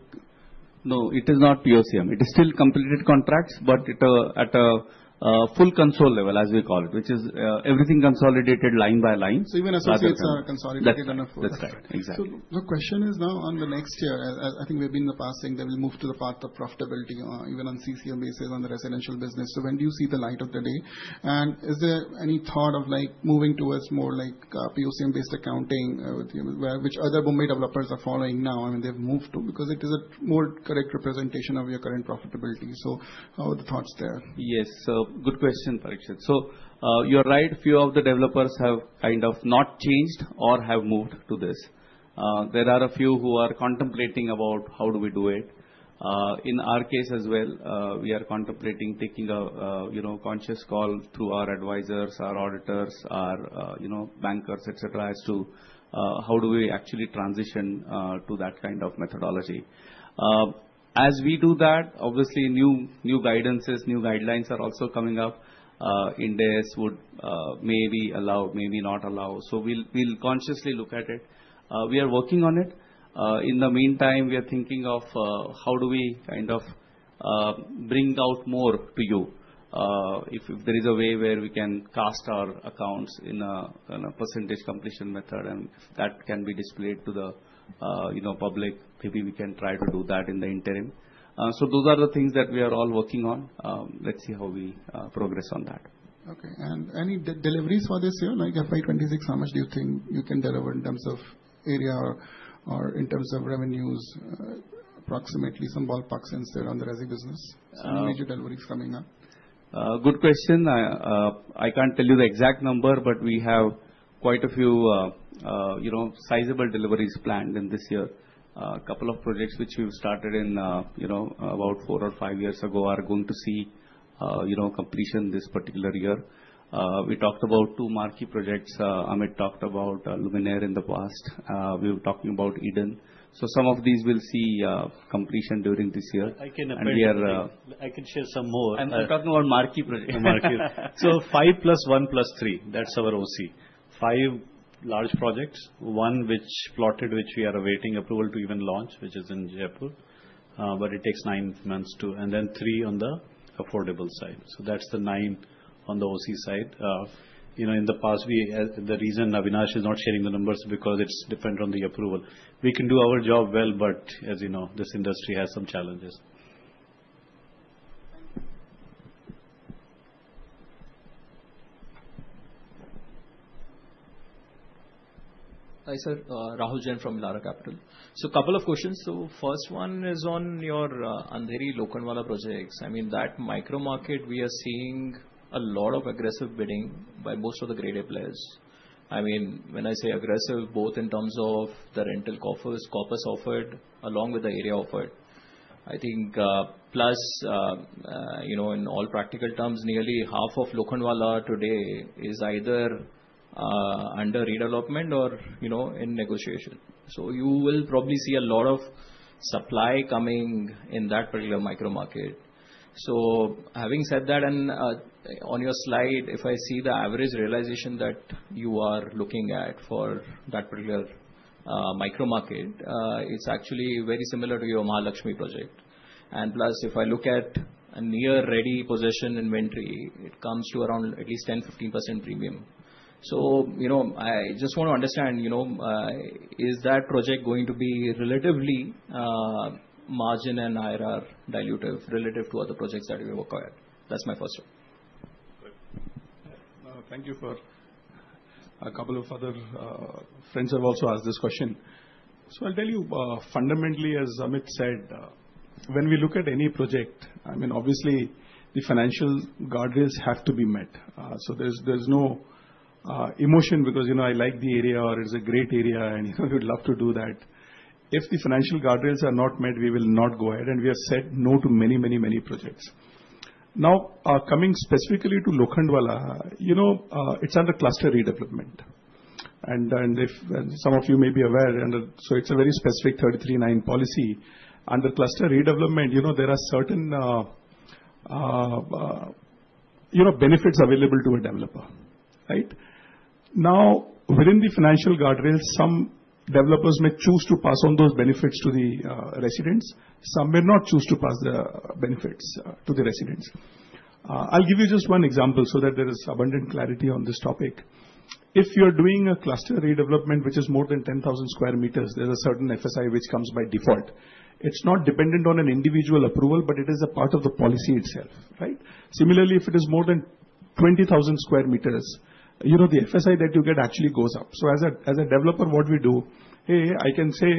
S3: No, it is not POCM. It is still completed contracts, but it at a full consolidation level, as we call it, which is everything consolidated line by line. So even associates are consolidated on a full consolidation. That's right. Exactly. So the question is now on the next year, as I think we have been in the past saying that we'll move to the path of profitability, even on CCM basis on the residential business. So when do you see the light of the day? And is there any thought of like moving towards more like POCM-based accounting, which other Bombay developers are following now? I mean, they've moved to because it is a more correct representation of your current profitability. So how are the thoughts there?
S2: Yes. So good question, Parikshit. So you're right. Few of the developers have kind of not changed or have moved to this. There are a few who are contemplating about how do we do it. In our case as well, we are contemplating taking a you know conscious call through our advisors, our auditors, our you know bankers, et cetera, as to how do we actually transition to that kind of methodology. As we do that, obviously new guidance, new guidelines are also coming up. Indeed it would maybe allow, maybe not allow. So we'll, we'll consciously look at it. We are working on it. In the meantime, we are thinking of, how do we kind of, bring out more to you. If, if there is a way where we can cast our accounts in a kind of percentage completion method and that can be displayed to the, you know, public, maybe we can try to do that in the interim. So those are the things that we are all working on. Let's see how we, progress on that. Okay. And any deliveries for this year? Like FY2026, how much do you think you can deliver in terms of area or, or in terms of revenues, approximately some ballpark since there on the residential business? Major deliveries coming up. Good question. I, I can't tell you the exact number, but we have quite a few, you know, sizable deliveries planned in this year. A couple of projects which we've started, you know, about four or five years ago are going to see, you know, completion this particular year. We talked about two marquee projects. Amit talked about Luminare in the past. We were talking about Eden, so some of these will see completion during this year.
S3: I can appreciate it, and we are. I can share some more.
S2: I'm talking about marquee projects. Marquee, so five plus one plus three. That's our IC. Five large projects. One which plotted, which we are awaiting approval to even launch, which is in Jaipur, but it takes nine months to, and then three on the affordable side, so that's the nine on the IC side. You know, in the past, we, the reason Avinash is not sharing the numbers is because it's dependent on the approval. We can do our job well, but as you know, this industry has some challenges.
S5: Hi sir, Rahul Jain from Elara Capital. So a couple of questions. So first one is on your Andheri Lokhandwala projects. I mean, that micro-market, we are seeing a lot of aggressive bidding by most of the grade A players. I mean, when I say aggressive, both in terms of the rental corpus offered along with the area offered, I think, plus, you know, in all practical terms, nearly half of Lokhandwala today is either under redevelopment or, you know, in negotiation. So you will probably see a lot of supply coming in that particular micro-market. So having said that, and on your slide, if I see the average realization that you are looking at for that particular micro-market, it's actually very similar to your Mahalakshmi project. And plus, if I look at a near ready position inventory, it comes to around at least 10%–15% premium. So, you know, I just want to understand, you know, is that project going to be relatively margin and IRR dilutive relative to other projects that we work on? That's my first one.
S3: Thank you. A couple of other friends have also asked this question. So I'll tell you, fundamentally, as Amit said, when we look at any project, I mean, obviously the financial guardrails have to be met. So there's no emotion because, you know, I like the area or it's a great area and, you know, we would love to do that. If the financial guardrails are not met, we will not go ahead. And we have said no to many, many, many projects. Now, coming specifically to Lokhandwala, you know, it's under cluster redevelopment. Some of you may be aware, so it's a very specific Regulation 33(9) policy under cluster redevelopment. You know, there are certain, you know, benefits available to a developer, right? Now, within the financial guardrails, some developers may choose to pass on those benefits to the residents. Some may not choose to pass the benefits to the residents. I'll give you just one example so that there is abundant clarity on this topic. If you're doing a cluster redevelopment, which is more than 10,000 square meters, there's a certain FSI which comes by default. It's not dependent on an individual approval, but it is a part of the policy itself, right? Similarly, if it is more than 20,000 square meters, you know, the FSI that you get actually goes up. So as a developer, what we do, hey, I can say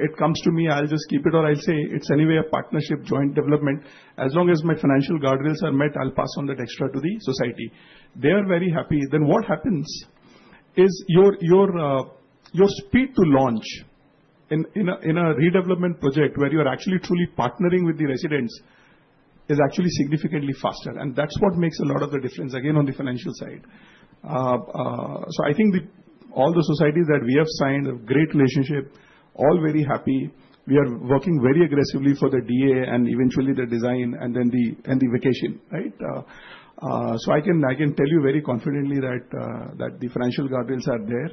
S3: it comes to me, I'll just keep it, or I'll say it's anyway a partnership, joint development. As long as my financial guardrails are met, I'll pass on that extra to the society. They are very happy. Then what happens is your speed to launch in a redevelopment project where you are actually truly partnering with the residents is actually significantly faster. And that's what makes a lot of the difference, again, on the financial side. So I think all the societies that we have signed a great relationship, all very happy. We are working very aggressively for the DA and eventually the design and then the vacation, right? So I can tell you very confidently that the financial guardrails are there.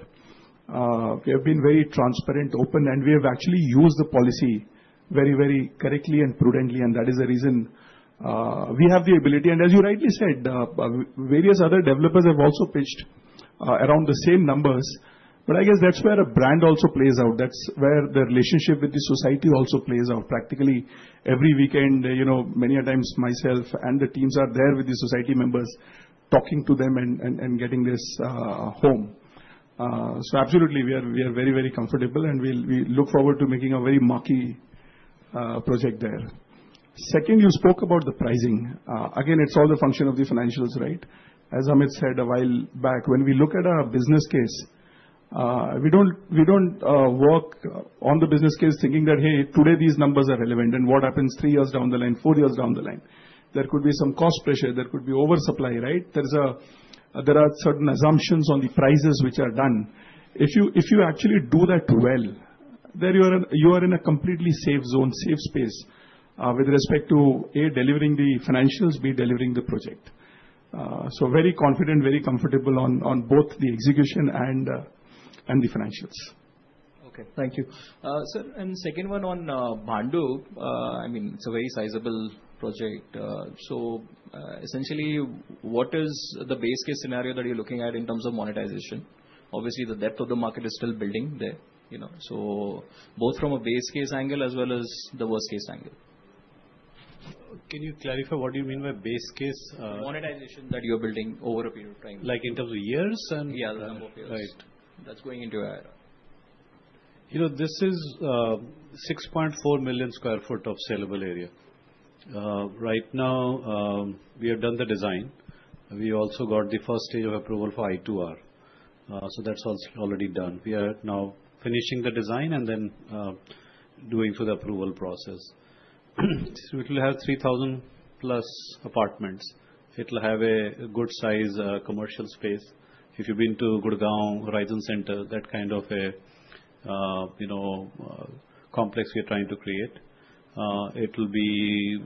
S3: We have been very transparent, open, and we have actually used the policy very, very correctly and prudently. And that is the reason, we have the ability. And as you rightly said, various other developers have also pitched, around the same numbers. But I guess that's where a brand also plays out. That's where the relationship with the society also plays out. Practically every weekend, you know, many a times myself and the teams are there with the society members talking to them and getting this home. So absolutely we are very, very comfortable and we'll look forward to making a very marquee project there. Second, you spoke about the pricing. Again, it's all the function of the financials, right? As Amit said a while back, when we look at a business case, we don't work on the business case thinking that, hey, today these numbers are relevant and what happens three years down the line, four years down the line, there could be some cost pressure, there could be oversupply, right? There are certain assumptions on the prices which are done. If you actually do that well, then you are in a completely safe zone, safe space, with respect to A, delivering the financials, B, delivering the project, so very confident, very comfortable on both the execution and the financials.
S5: Okay, thank you. Sir, and second one on Bhandup, I mean, it's a very sizable project, so essentially what is the base case scenario that you're looking at in terms of monetization? Obviously, the depth of the market is still building there, you know, so both from a base case angle as well as the worst case angle.
S3: Can you clarify what do you mean by base case?
S5: Monetization that you're building over a period of time.
S3: Like in terms of years?
S5: Right. That's going into IRR.
S3: You know, this is 6.4 million sq ft of saleable area. Right now, we have done the design. We also got the first stage of approval for RERA. So that's also already done. We are now finishing the design and then, doing for the approval process. It will have 3,000 plus apartments. It'll have a good size, commercial space. If you've been to Gurgaon, Horizon Center, that kind of a, you know, complex we are trying to create. It'll be,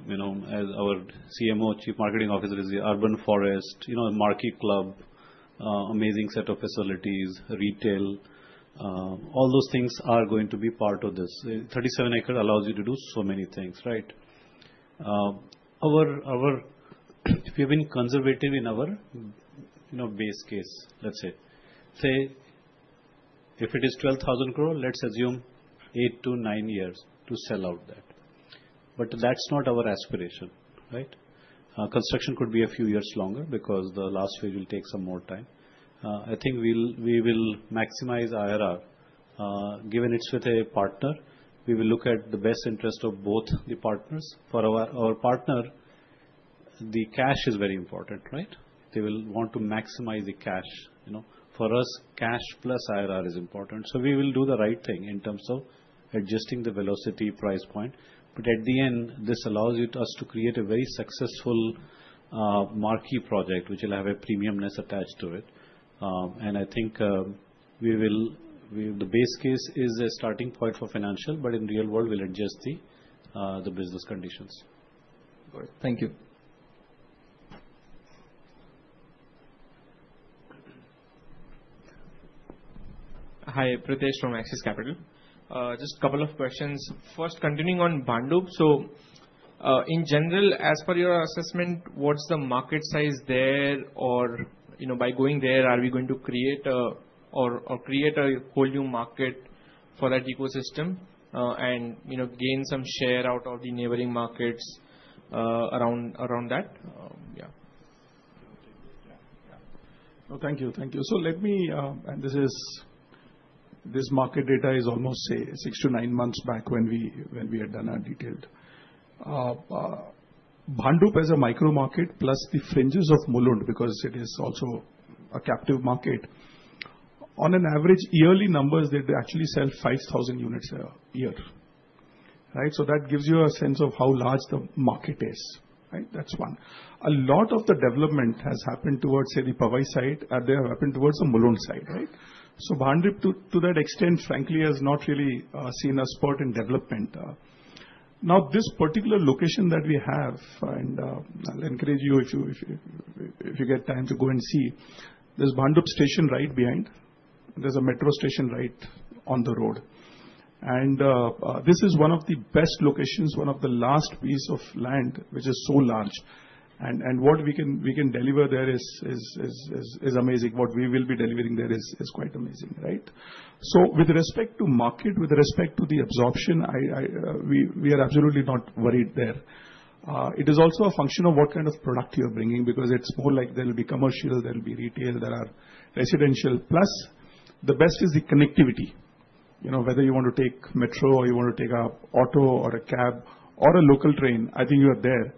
S3: you know, as our CMO, Chief Marketing Officer is the Urban Forest, you know, a marquee club, amazing set of facilities, retail, all those things are going to be part of this. 37 acres allows you to do so many things, right? Our, if we have been conservative in our, you know, base case, let's say if it is 12,000 crore, let's assume eight to nine years to sell out that. But that's not our aspiration, right? Construction could be a few years longer because the last Phase will take some more time. I think we'll, we will maximize IRR. Given it's with a partner, we will look at the best interest of both the partners. For our partner, the cash is very important, right? They will want to maximize the cash, you know. For us, cash plus IRR is important. So we will do the right thing in terms of adjusting the velocity price point. But at the end, this allows us to create a very successful, marquee project, which will have a premiumness attached to it. And I think, we will, we the base case is a starting point for financial, but in real world, we'll adjust the, the business conditions.
S5: Great. Thank you.
S6: Hi, Pratik from Axis Capital. Just a couple of questions. First, continuing on Bhandup. So, in general, as per your assessment, what's the market size there? Or, you know, by going there, are we going to create a, or, or create a whole new market for that ecosystem, and, you know, gain some share out of the neighboring markets, around, around that? Yeah. Yeah.
S2: Well, thank you. Thank you. Let me, and this is, this market data is almost six to nine months back when we had done our detailed. Bhandup as a micro-market plus the fringes of Mulund, because it is also a captive market. On an average yearly numbers, they'd actually sell 5,000 units a year, right? That gives you a sense of how large the market is, right? That's one. A lot of the development has happened towards the Powai side and they have happened towards the Mulund side, right? Bhandup to that extent, frankly, has not really seen a spot in development. Now this particular location that we have, and I'll encourage you if you get time to go and see, there's Bhandup right behind. There's a metro station right on the road. This is one of the best locations, one of the last piece of land, which is so large. What we can deliver there is amazing. What we will be delivering there is quite amazing, right? With respect to market, with respect to the absorption, we are absolutely not worried there. It is also a function of what kind of product you're bringing, because it's more like there'll be commercial, there'll be retail, there are residential, plus the best is the connectivity. You know, whether you want to take metro or you want to take an auto or a cab or a local train, I think you are there.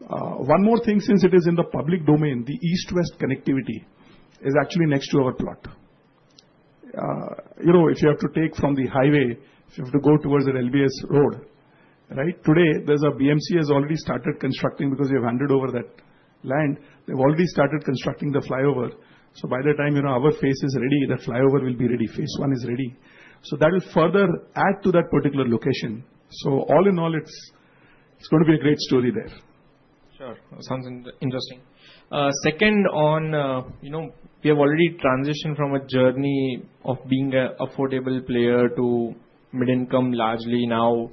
S2: One more thing, since it is in the public domain, the east-west connectivity is actually next to our plot. You know, if you have to take from the highway, if you have to go towards an LBS road, right? Today, the BMC has already started constructing because we have handed over that land. They've already started constructing the flyover. So by the time, you know, our Phase is ready, that flyover will be ready. Phase I is ready. So that will further add to that particular location. So all in all, it's, it's going to be a great story there.
S6: Sure. Sounds interesting. Second one, you know, we have already transitioned from a journey of being an affordable player to mid-income, largely now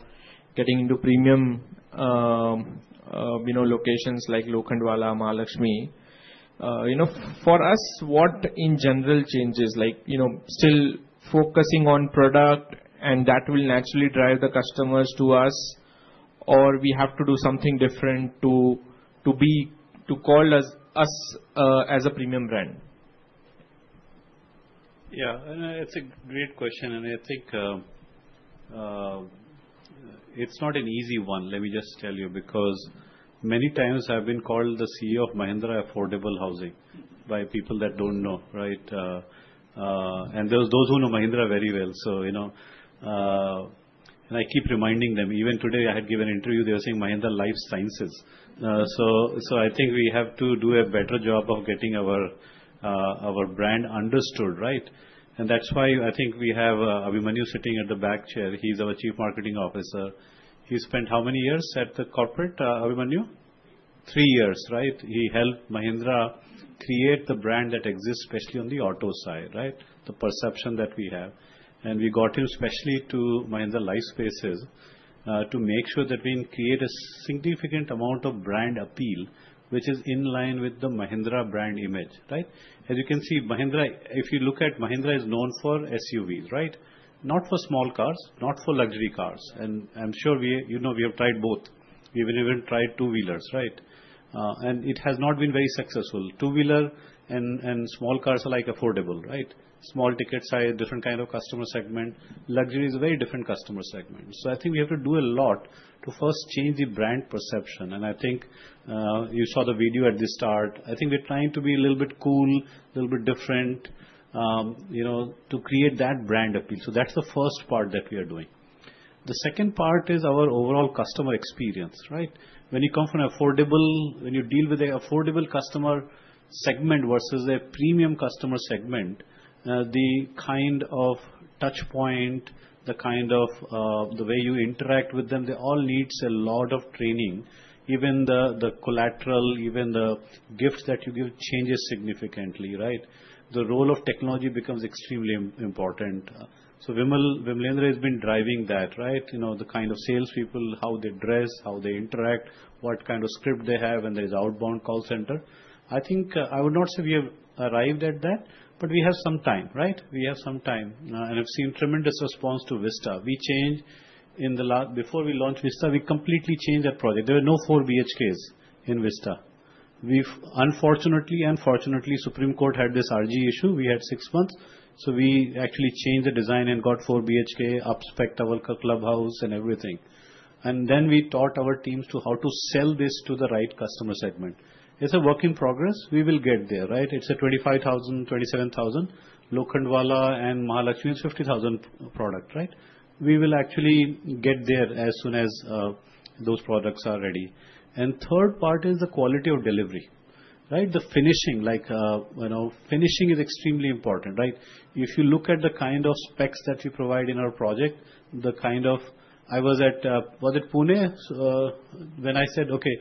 S6: getting into premium, you know, locations like Lokhandwala, Mahalakshmi. You know, for us, what in general changes, like, you know, still focusing on product and that will naturally drive the customers to us, or we have to do something different to, to be, to call us, us, as a premium brand?
S2: Yeah, and it's a great question. And I think, it's not an easy one. Let me just tell you, because many times I've been called the CEO of Mahindra Affordable Housing by people that don't know, right? And there are those who know Mahindra very well. So, you know, and I keep reminding them, even today I had given an interview, they were saying Mahindra Lifespace. So, so I think we have to do a better job of getting our, our brand understood, right? And that's why I think we have Abhimanyu sitting at the back there. He's our Chief Marketing Officer. He spent how many years at the corporate, Abhimanyu? Three years, right? He helped Mahindra create the brand that exists, especially on the auto side, right? The perception that we have. We got him specially to Mahindra Lifespace, to make sure that we create a significant amount of brand appeal, which is in line with the Mahindra brand image, right? As you can see, Mahindra, if you look at Mahindra, is known for SUVs, right? Not for small cars, not for luxury cars. I'm sure we, you know, we have tried both. We've even tried two-wheelers, right? And it has not been very successful. Two-wheeler and small cars are like affordable, right? Small ticket side, different kind of customer segment. Luxury is a very different customer segment. I think we have to do a lot to first change the brand perception. I think, you saw the video at the start. I think we're trying to be a little bit cool, a little bit different, you know, to create that brand appeal. So that's the first part that we are doing. The second part is our overall customer experience, right? When you come from an affordable, when you deal with an affordable customer segment versus a premium customer segment, the kind of touchpoint, the way you interact with them, they all need a lot of training. Even the collateral, even the gifts that you give changes significantly, right? The role of technology becomes extremely important. So Vimalendra has been driving that, right? You know, the kind of salespeople, how they dress, how they interact, what kind of script they have, and there's outbound call center. I think I would not say we have arrived at that, but we have some time, right? We have some time. And I've seen tremendous response to Vista. We changed in the last, before we launched Vista, we completely changed that project. There were no four BHKs in Vista. We've unfortunately, unfortunately, Supreme Court had this RG issue. We had six months. So we actually changed the design and got four BHK upscale, our clubhouse and everything. And then we taught our teams to how to sell this to the right customer segment. It's a work in progress. We will get right? It's a 25,000–27,000 Lokhandwala and Mahalakshmi is 50,000 product, right? We will actually get there as soon as those products are ready. And third part is the quality of delivery, right? The finishing, like, you know, finishing is extremely important, right? If you look at the kind of specs that we provide in our project, the kind of, I was at, was it Pune? when I said, okay,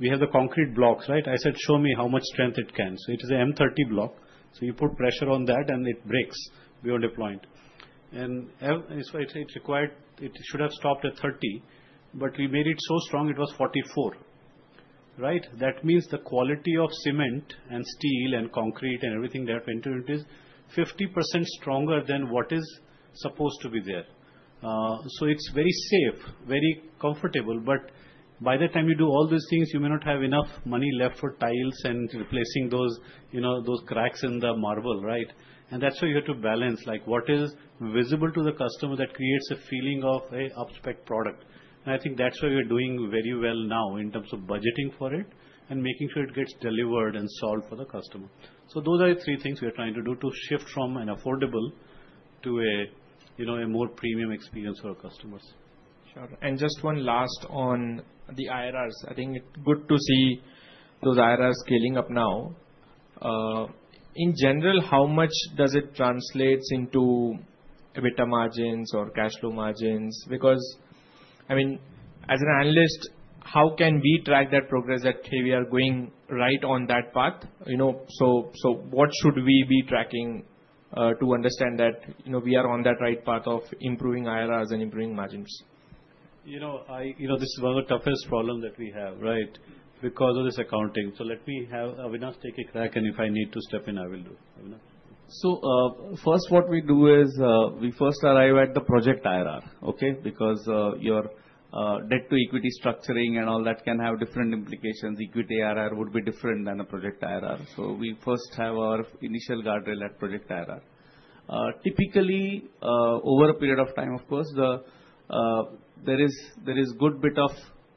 S2: we have the concrete blocks, right? I said, show me how much strength it can. So it is an M30 block. So you put pressure on that and it breaks beyond deployment. And it's required, it should have stopped at 30, but we made it so strong it was 44, right? That means the quality of cement and steel and concrete and everything that went into it is 50% stronger than what is supposed to be there. So it's very safe, very comfortable. But by the time you do all those things, you may not have enough money left for tiles and replacing those, you know, those cracks in the marble, right? And that's why you have to balance, like, what is visible to the customer that creates a feeling of an up-spec product. And I think that's why we're doing very well now in terms of budgeting for it and making sure it gets delivered and solved for the customer. So those are the three things we are trying to do to shift from an affordable to a, you know, a more premium experience for our customers.
S6: Sure. And just one last on the IRRs. I think it's good to see those IRRs scaling up now. In general, how much does it translate into EBITDA margins or cash flow margins? Because, I mean, as an analyst, how can we track that progress that we are going right on that path? You know, so what should we be tracking, to understand that, you know, we are on that right path of improving IRRs and improving margins?
S2: You know, I, you know, this is one of the toughest problems that we have, right? Because of this accounting. So let me have Avinash take a crack, and if I need to step in, I will do.
S3: So, first what we do is, we first arrive at the project IRR, okay? Because your debt-to-equity structuring and all that can have different implications. Equity IRR would be different than a project IRR. So we first have our initial guardrail at project IRR. Typically, over a period of time, of course, there is a good bit of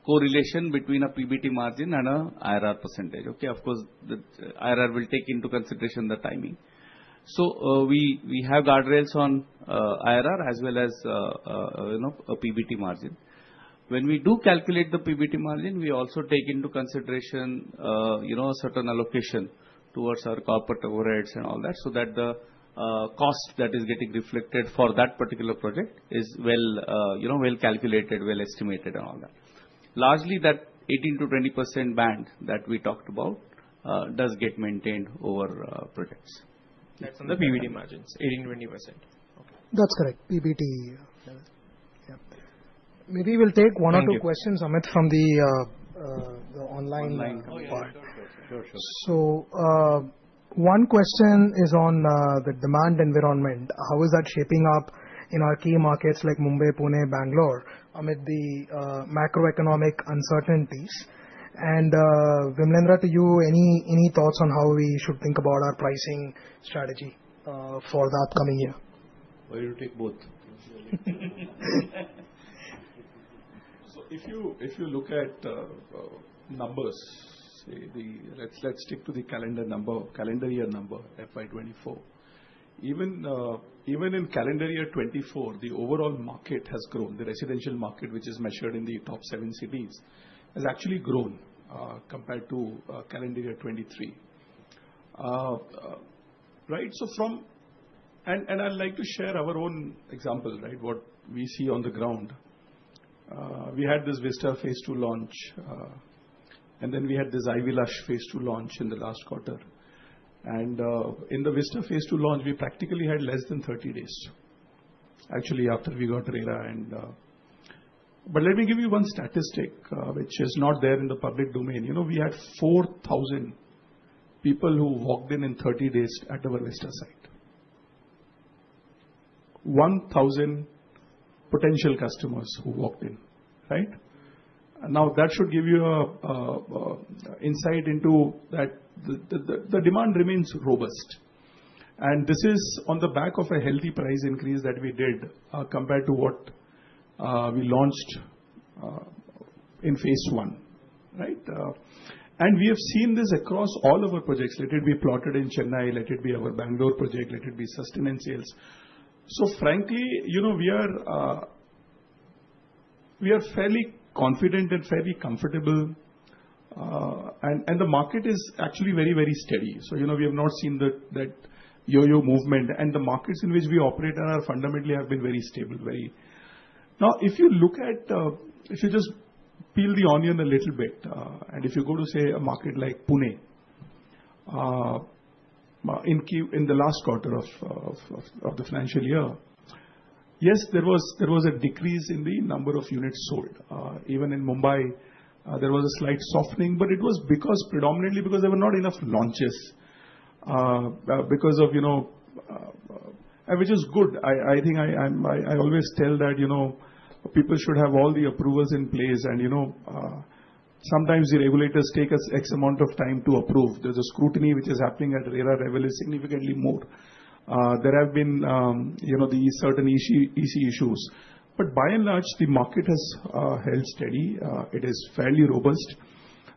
S3: correlation between a PBT margin and an IRR percentage, okay? Of course, the IRR will take into consideration the timing. So, we have guardrails on IRR as well as, you know, a PBT margin. When we do calculate the PBT margin, we also take into consideration, you know, a certain allocation towards our corporate overheads and all that, so that the cost that is getting reflected for that particular project is well, you know, well calculated, well estimated, and all that. Largely that 18%-20% band that we talked about does get maintained over projects. That's on the PBT margins, 18%–20%. That's correct. PBT. Yeah. Maybe we'll take one or two questions, Amit, from the online part. Sure, sure. So, one question is on the demand environment. How is that shaping up in our key markets like Mumbai, Pune, Bengaluru, amid the macroeconomic uncertainties? And, Vimalendra, to you, any thoughts on how we should think about our pricing strategy for the upcoming year?
S2: You take both. So if you look at numbers, say, let's stick to the calendar year number, FY2024. Even in calendar year 2024, the overall market has grown. The residential market, which is measured in the top seven cities, has actually grown compared to calendar year 2023, right? And I'd like to share our own example, right? What we see on the ground. We had this Vista Phase II launch, and then we had this Aqually Phase II launch in the last quarter. And in the Vista Phase II launch, we practically had less than 30 days. Actually, after we got RERA, but let me give you one statistic, which is not there in the public domain. You know, we had 4,000 people who walked in in 30 days at our Vista site. 1,000 potential customers who walked in, right? Now, that should give you an insight into that the demand remains robust. And this is on the back of a healthy price increase that we did, compared to what we launched in Phase I, right? We have seen this across all of our projects. Let it be project in Chennai, let it be our Bengaluru project, let it be sustained sales. So frankly, you know, we are fairly confident and fairly comfortable. And the market is actually very, very steady. So, you know, we have not seen that yo-yo movement. And the markets in which we operate are fundamentally have been very stable, very. Now, if you look at, if you just peel the onion a little bit, and if you go to say a market like Pune, in the last quarter of the financial year, yes, there was a decrease in the number of units sold. Even in Mumbai, there was a slight softening, but it was predominantly because there were not enough launches, because of, you know, which is good. I think I always tell that, you know, people should have all the approvals in place, and you know, sometimes the regulators take us X amount of time to approve. There's a scrutiny which is happening at RERA-level, is significantly more. There have been, you know, certain issues. But by and large, the market has held steady. It is fairly robust.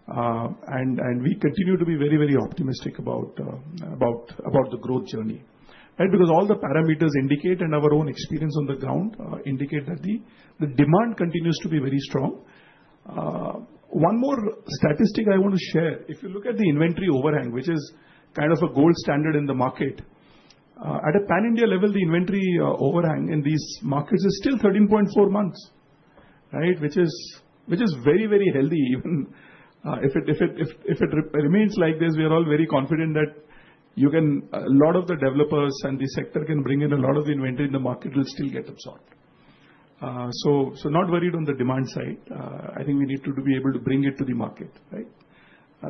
S2: And we continue to be very optimistic about the growth journey. Right? Because all the parameters indicate and our own experience on the ground indicate that the demand continues to be very strong. One more statistic I want to share. If you look at the inventory overhang, which is kind of a gold standard in the market, at a Pan-India level, the inventory overhang in these markets is still 13.4 months, right? Which is very healthy. Even if it remains like this, we are all very confident that you can a lot of the developers and the sector can bring in a lot of the inventory in the market will still get absorbed. So not worried on the demand side. I think we need to be able to bring it to the market, right?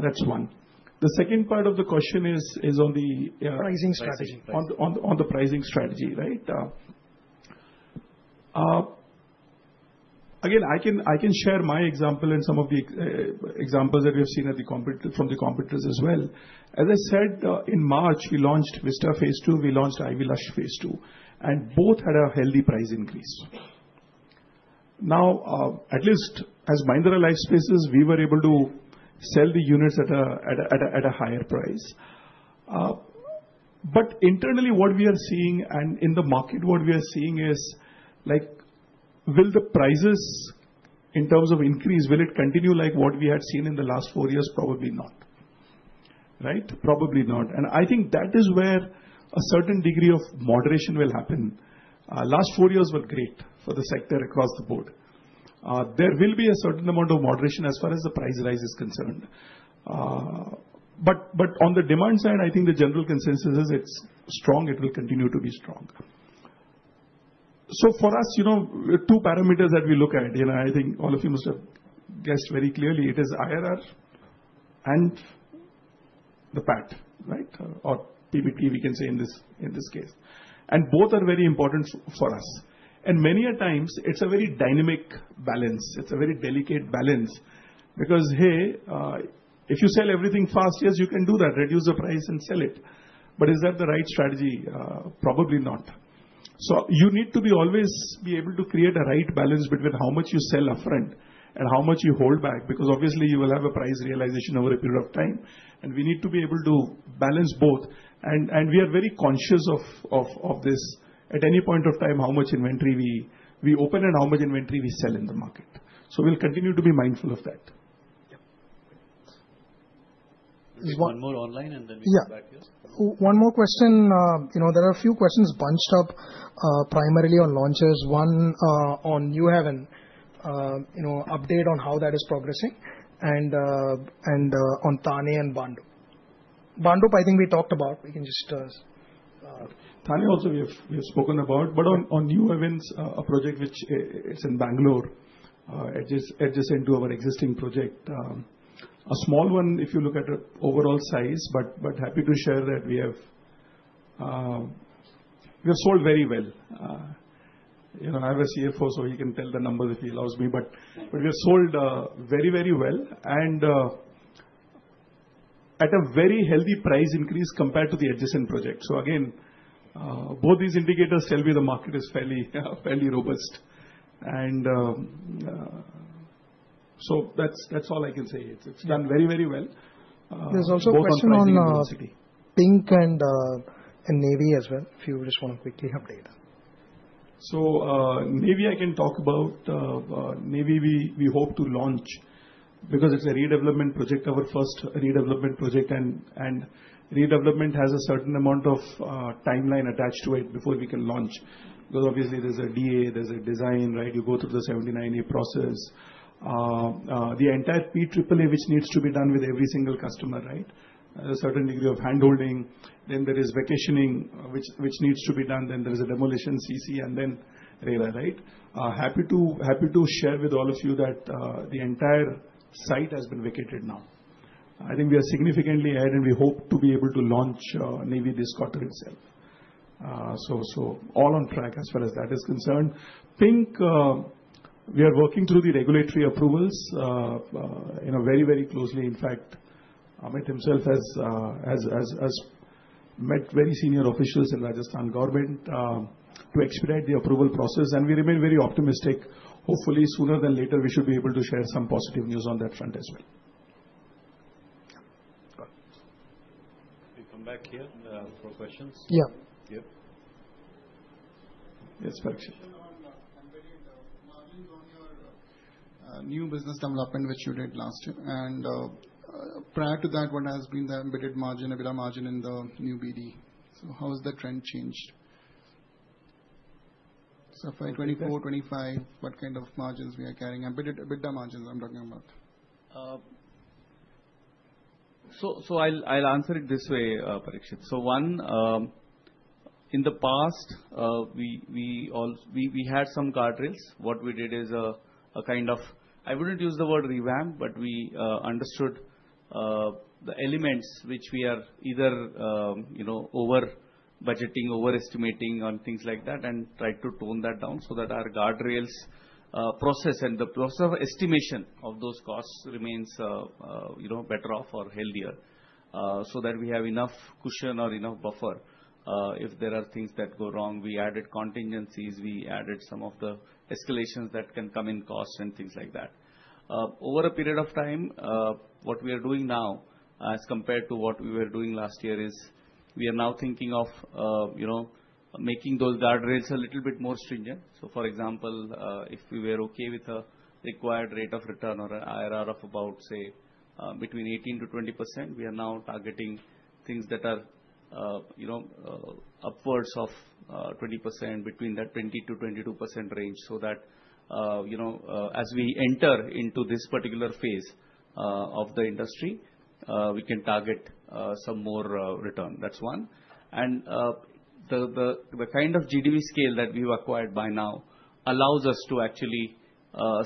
S2: That's one. The second part of the question is on the pricing strategy. On the pricing strategy, right? Again, I can share my example and some of the examples that we have seen at the competitor from the competitors as well. As I said, in March, we launched Vista Phase II, we launched Ivy Lush Phase II, and both had a healthy price increase. Now, at least as Mahindra Lifespace, we were able to sell the units at a higher price, but internally, what we are seeing and in the market, what we are seeing is like, will the prices in terms of increase, will it continue like what we had seen in the last four years? Probably not, right? Probably not, and I think that is where a certain degree of moderation will happen. Last four years were great for the sector across the board. There will be a certain amount of moderation as far as the price rise is concerned. But on the demand side, I think the general consensus is it's strong. It will continue to be strong. So for us, you know, two parameters that we look at, you know, I think all of you must have guessed very clearly, it is IRR and the PAT, right? Or PBT, we can say in this case. And both are very important for us. And many a times, it's a very dynamic balance. It's a very delicate balance because, hey, if you sell everything fast, yes, you can do that, reduce the price and sell it. But is that the right strategy? Probably not. So you need to always be able to create a right balance between how much you sell upfront and how much you hold back because obviously you will have a price realization over a period of time. And we need to be able to balance both. And we are very conscious of this at any point of time how much inventory we open and how much inventory we sell in the market. So we'll continue to be mindful of that.
S6: One more question. You know, there are a few questions bunched up, primarily on launches. One, on New Haven, you know, update on how that is progressing and on Thane and Bhandup. Bhandup, I think we talked about. We can just, Thane also we have, we have spoken about, but on, on New Haven, a project which it's in Bengaluru, adjacent to our existing project. A small one if you look at the overall size, but, but happy to share that we have, we have sold very well. You know, I have a CFO, so he can tell the numbers if he allows me, but, but we have sold, very, very well and, at a very healthy price increase compared to the adjacent project. So again, both these indicators tell me the market is fairly, fairly robust. And, so that's, that's all I can say. It's, it's done very, very well. There's also a question on Pink and Navjivan as well. If you just want to quickly update.
S2: So, Navy I can talk about, Navy we, we hope to launch because it's a redevelopment project, our first redevelopment project. And, and redevelopment has a certain amount of timeline attached to it before we can launch because obviously there's a DA, there's a design, right? You go through the 79A process, the entire PAAA, which needs to be done with every single customer, right? There's a certain degree of handholding. Then there is vacating, which, which needs to be done. Then there is a demolition CC and then RERA, right? Happy to, happy to share with all of you that the entire site has been vacated now. I think we are significantly ahead and we hope to be able to launch Navy this quarter itself. So, so all on track as far as that is concerned. Pink, we are working through the regulatory approvals, you know, very, very closely. In fact, Amit himself has met very senior officials in Rajasthan government, to expedite the approval process, and we remain very optimistic. Hopefully sooner than later, we should be able to share some positive news on that front as well.
S3: We come back here, for questions.
S2: Yeah. Yes. Yes, Parikshit.
S6: On embedded margins on your new business development, which you did last year, and prior to that, what has been the embedded margin, EBITDA margin in the new BD? So how has the trend changed? So for 24, 25, what kind of margins we are carrying? Embedded EBITDA margins I'm talking about.
S2: So I'll answer it this way, Parikshit. So one, in the past, we had some guardrails. What we did is a kind of, I wouldn't use the word revamp, but we understood the elements which we are either, you know, over budgeting, overestimating on things like that and tried to tone that down so that our guardrails, process and the process of estimation of those costs remains, you know, better off or healthier, so that we have enough cushion or enough buffer. If there are things that go wrong, we added contingencies, we added some of the escalations that can come in cost and things like that. Over a period of time, what we are doing now as compared to what we were doing last year is we are now thinking of, you know, making those guardrails a little bit more stringent. So for example, if we were okay with a required rate of return or an IRR of about, say, between 18%-20%, we are now targeting things that are, you know, upwards of 20% between that 20%-22% range so that, you know, as we enter into this particular Phase of the industry, we can target some more return. That's one. And the kind of GDV scale that we've acquired by now allows us to actually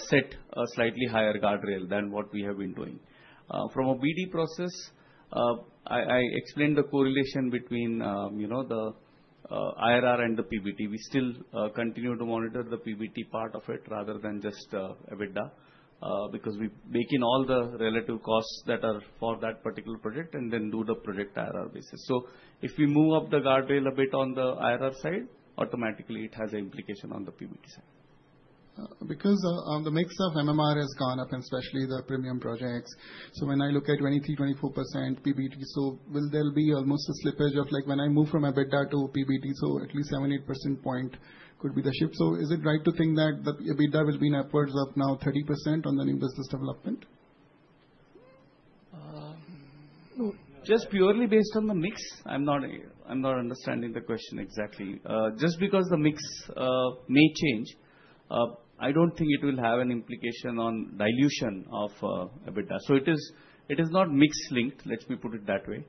S2: set a slightly higher guardrail than what we have been doing. From a BD process, I explained the correlation between, you know, the IRR and the PBT. We still continue to monitor the PBT part of it rather than just EBITDA, because we bake in all the relative costs that are for that particular project and then do the project IRR basis. So if we move up the guardrail a bit on the IRR side, automatically it has an implication on the PBT side. Because on the mix of MMR has gone up and especially the premium projects. So when I look at 23%–24% PBT, so will there be almost a slippage of like when I move from EBITDA to PBT, so at least 7–8 percentage points could be the shift. So is it right to think that the EBITDA will be upwards of now 30% on the new business development. Just purely based on the mix. I'm not, I'm not understanding the question exactly. Just because the mix may change, I don't think it will have an implication on dilution of EBITDA. So it is, it is not mix-linked, let me put it that way.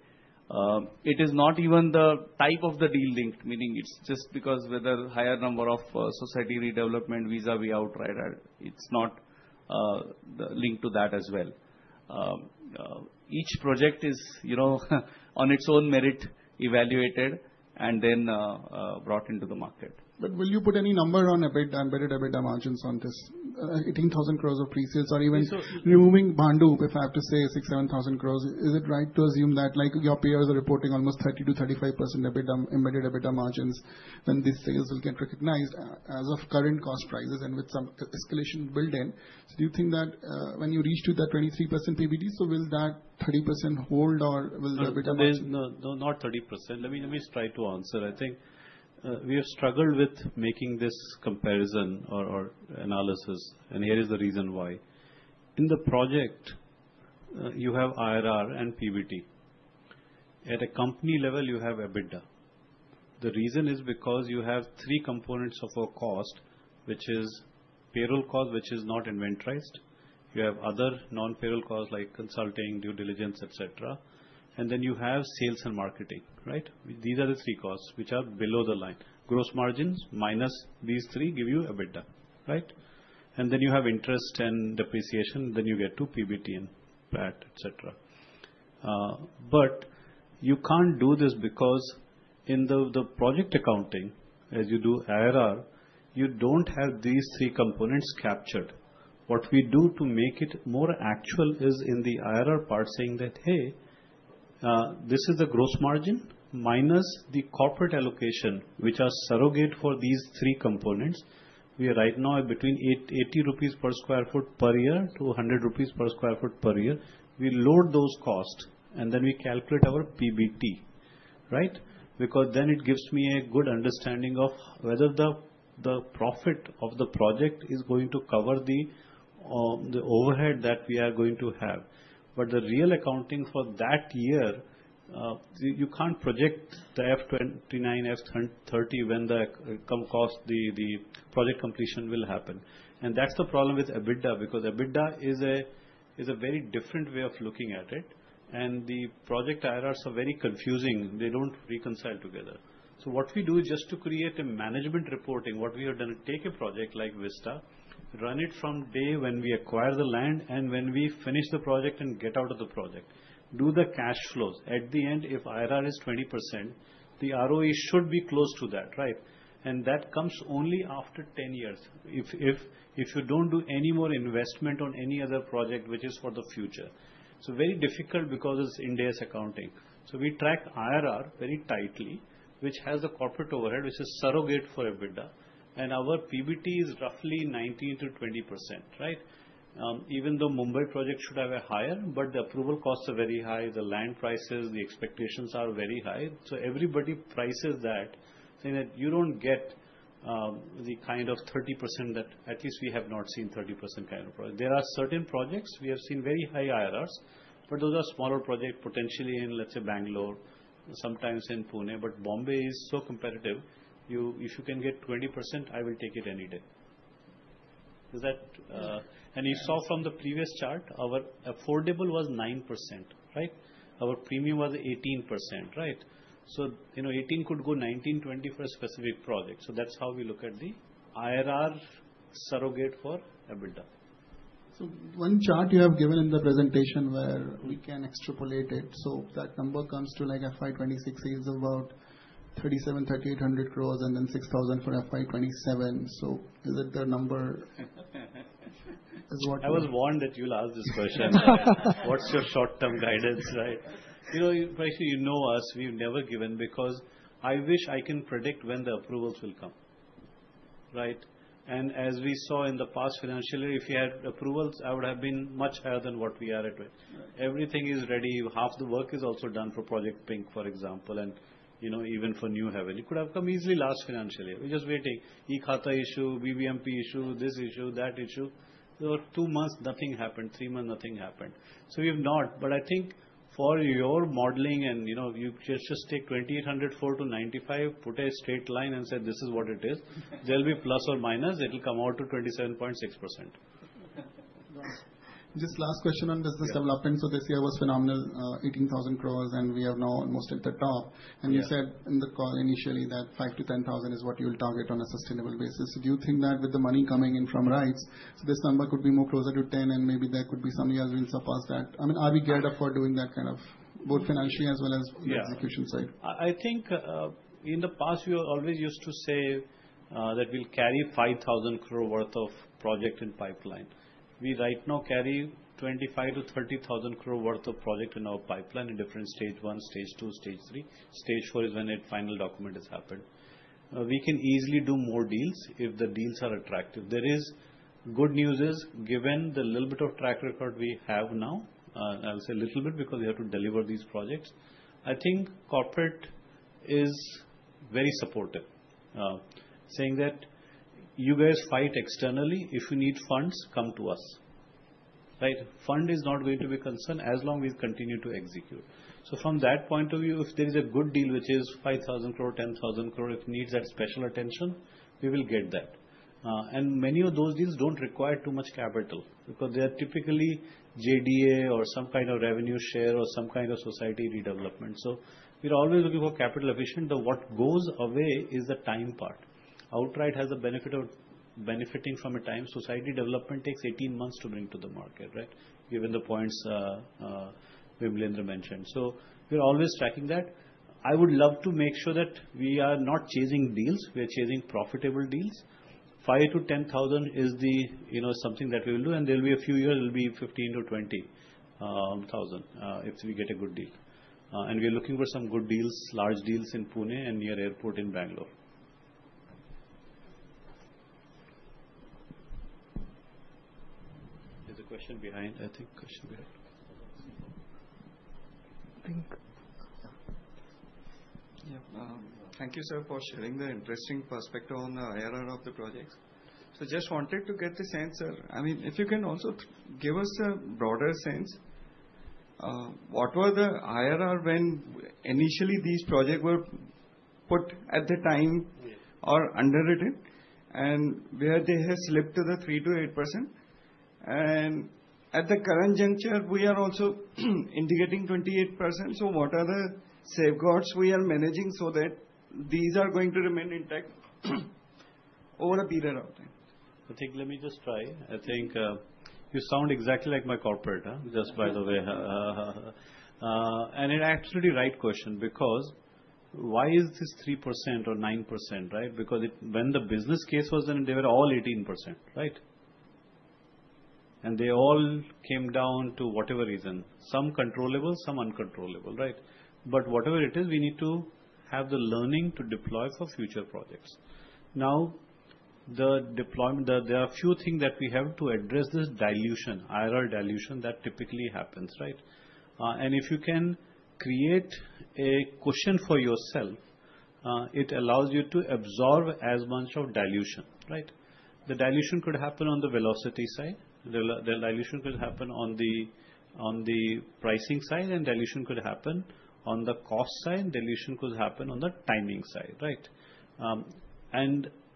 S2: It is not even the type of the deal linked, meaning it's just because whether higher number of society redevelopment via SRA or outright, it's not linked to that as well. Each project is, you know, on its own merit evaluated and then brought into the market. But will you put any number on EBITDA, embedded EBITDA margins on this? 18,000 crores of pre-sales or even removing Bhandup, if I have to say 6–7,000 crores, is it right to assume that like your peers are reporting almost 30%-35% EBITDA, embedded EBITDA margins when these sales will get recognized as of current cost prices and with some escalation built in? So do you think that when you reach to the 23% PBT, so will that 30% hold or will the EBITDA margin?
S3: No, no, not 30%. Let me, let me try to answer. I think, we have struggled with making this comparison or, or analysis. And here is the reason why. In the project, you have IRR and PBT. At a company level, you have EBITDA. The reason is because you have three components of a cost, which is payroll cost, which is not inventoried. You have other non-payroll costs like consulting, due diligence, et cetera. And then you have sales and marketing, right? These are the three costs which are below the line. Gross margins minus these three give you EBITDA, right? And then you have interest and depreciation. Then you get to PBT and PAT, et cetera. But you can't do this because in the project accounting, as you do IRR, you don't have these three components captured. What we do to make it more actual is in the IRR part saying that, hey, this is the gross margin minus the corporate allocation, which are surrogate for these three components. We are right now between 80–100 rupees per sq ft per year. We load those costs and then we calculate our PBT, right? Because then it gives me a good understanding of whether the profit of the project is going to cover the overhead that we are going to have. But the real accounting for that year, you can't project the FY2029, FY2030 when the cost, the project completion will happen. And that's the problem with EBITDA because EBITDA is a very different way of looking at it. And the project IRRs are very confusing. They don't reconcile together. So what we do is just to create a management reporting. What we are going to take a project like Vista, run it from day when we acquire the land and when we finish the project and get out of the project, do the cash flows at the end. If IRR is 20%, the ROE should be close to that, right? And that comes only after 10 years. If you don't do any more investment on any other project, which is for the future. So very difficult because it's India's accounting. So we track IRR very tightly, which has the corporate overhead, which is surrogate for EBITDA. And our PBT is roughly 19%-20%, right? Even though Mumbai project should have a higher, but the approval costs are very high, the land prices, the expectations are very high. Everybody prices that saying that you don't get the kind of 30% that at least we have not seen 30% kind of project. There are certain projects we have seen very high IRRs, but those are smaller projects potentially in, let's say, Bengaluru, sometimes in Pune. But Bombay is so competitive. You, if you can get 20%, I will take it any day. Is that, and you saw from the previous chart, our affordable was 9%, right? Our premium was 18%, right? So, you know, 18 could go 19%–20% for a specific project. So that's how we look at the IRR surrogate for EBITDA. So one chart you have given in the presentation where we can extrapolate it. So that number comes to like FY2026, it's about 3,700 crores and then 6,000 for FY2027. So is it the number?
S2: I was warned that you'll ask this question. What's your short-term guidance, right? You know, Parikshit, you know us, we've never given because I wish I can predict when the approvals will come, right? And as we saw in the past financial year, if you had approvals, I would have been much higher than what we are at. Everything is ready. Half the work is also done for Project Pink, for example. And, you know, even for New Haven, it could have come easily last financial year. We're just waiting. e-Khata issue, BBMP issue, this issue, that issue. There were two months, nothing happened. Three months, nothing happened. So we have not. But I think for your modeling and, you know, you just take 2804 to 95, put a straight line and say this is what it is. There'll be plus or minus. It'll come out to 27.6%. sttJust last question on business development. So this year was phenomenal, 18,000 crore and we have now almost at the top. And you said in the call initially that 5,000–10,000 is what you'll target on a sustainable basis. Do you think that with the money coming in from rights, so this number could be more closer to 10 and maybe there could be something else will surpass that? I mean, are we geared up for doing that kind of both financially as well as the execution side?
S3: Yeah, I think, in the past we were always used to say, that we'll carry 5,000 crore worth of project in pipeline. We right now carry 25,000–30,000 crore worth of project in our pipeline in different stage one, stage two, stage three. Stage four is when it final document has happened. We can easily do more deals if the deals are attractive. There is good news, given the little bit of track record we have now. I'll say a little bit because we have to deliver these projects. I think corporate is very supportive, saying that you guys fight externally. If you need funds, come to us, right? Fund is not going to be a concern as long as we continue to execute. From that point of view, if there is a good deal, which is 5,000 crore, 10,000 crore, it needs that special attention, we will get that, and many of those deals don't require too much capital because they are typically JDA or some kind of revenue share or some kind of society redevelopment, so we're always looking for capital efficient. The what goes away is the time part. Outright has the benefit of benefiting from a time. Society development takes 18 months to bring to the market, right? Given the points, Vimalendra mentioned. So we're always tracking that. I would love to make sure that we are not chasing deals. We are chasing profitable deals. 5–10,000 is the, you know, something that we will do. And there'll be a few years, it'll be 15–20,000, if we get a good deal. And we're looking for some good deals, large deals in Pune and near airport in Bengaluru. There's a question behind, I think. Thank you sir for sharing the interesting perspective on the IRR of the projects. So just wanted to get the sense, sir. I mean, if you can also give us a broader sense, what were the IRR when initially these projects were put at the time or underwritten and where they have slipped to the 3%–8%? And at the current juncture, we are also indicating 28%. So what are the safeguards we are managing so that these are going to remain intact over a period of time?
S2: I think let me just try. I think, you sound exactly like my corporator, just by the way. And it's actually a right question because why is this 3% or 9%, right? Because when the business case was done, they were all 18%, right? And they all came down to whatever reason, some controllable and some uncontrollable, right? But whatever it is, we need to have the learning to deploy for future projects. Now, the deployment, there are a few things that we have to address this dilution, IRR dilution that typically happens, right? And if you can create a question for yourself, it allows you to absorb as much of dilution, right? The dilution could happen on the velocity side. The dilution could happen on the pricing side. Dilution could happen on the cost side. Dilution could happen on the timing side, right?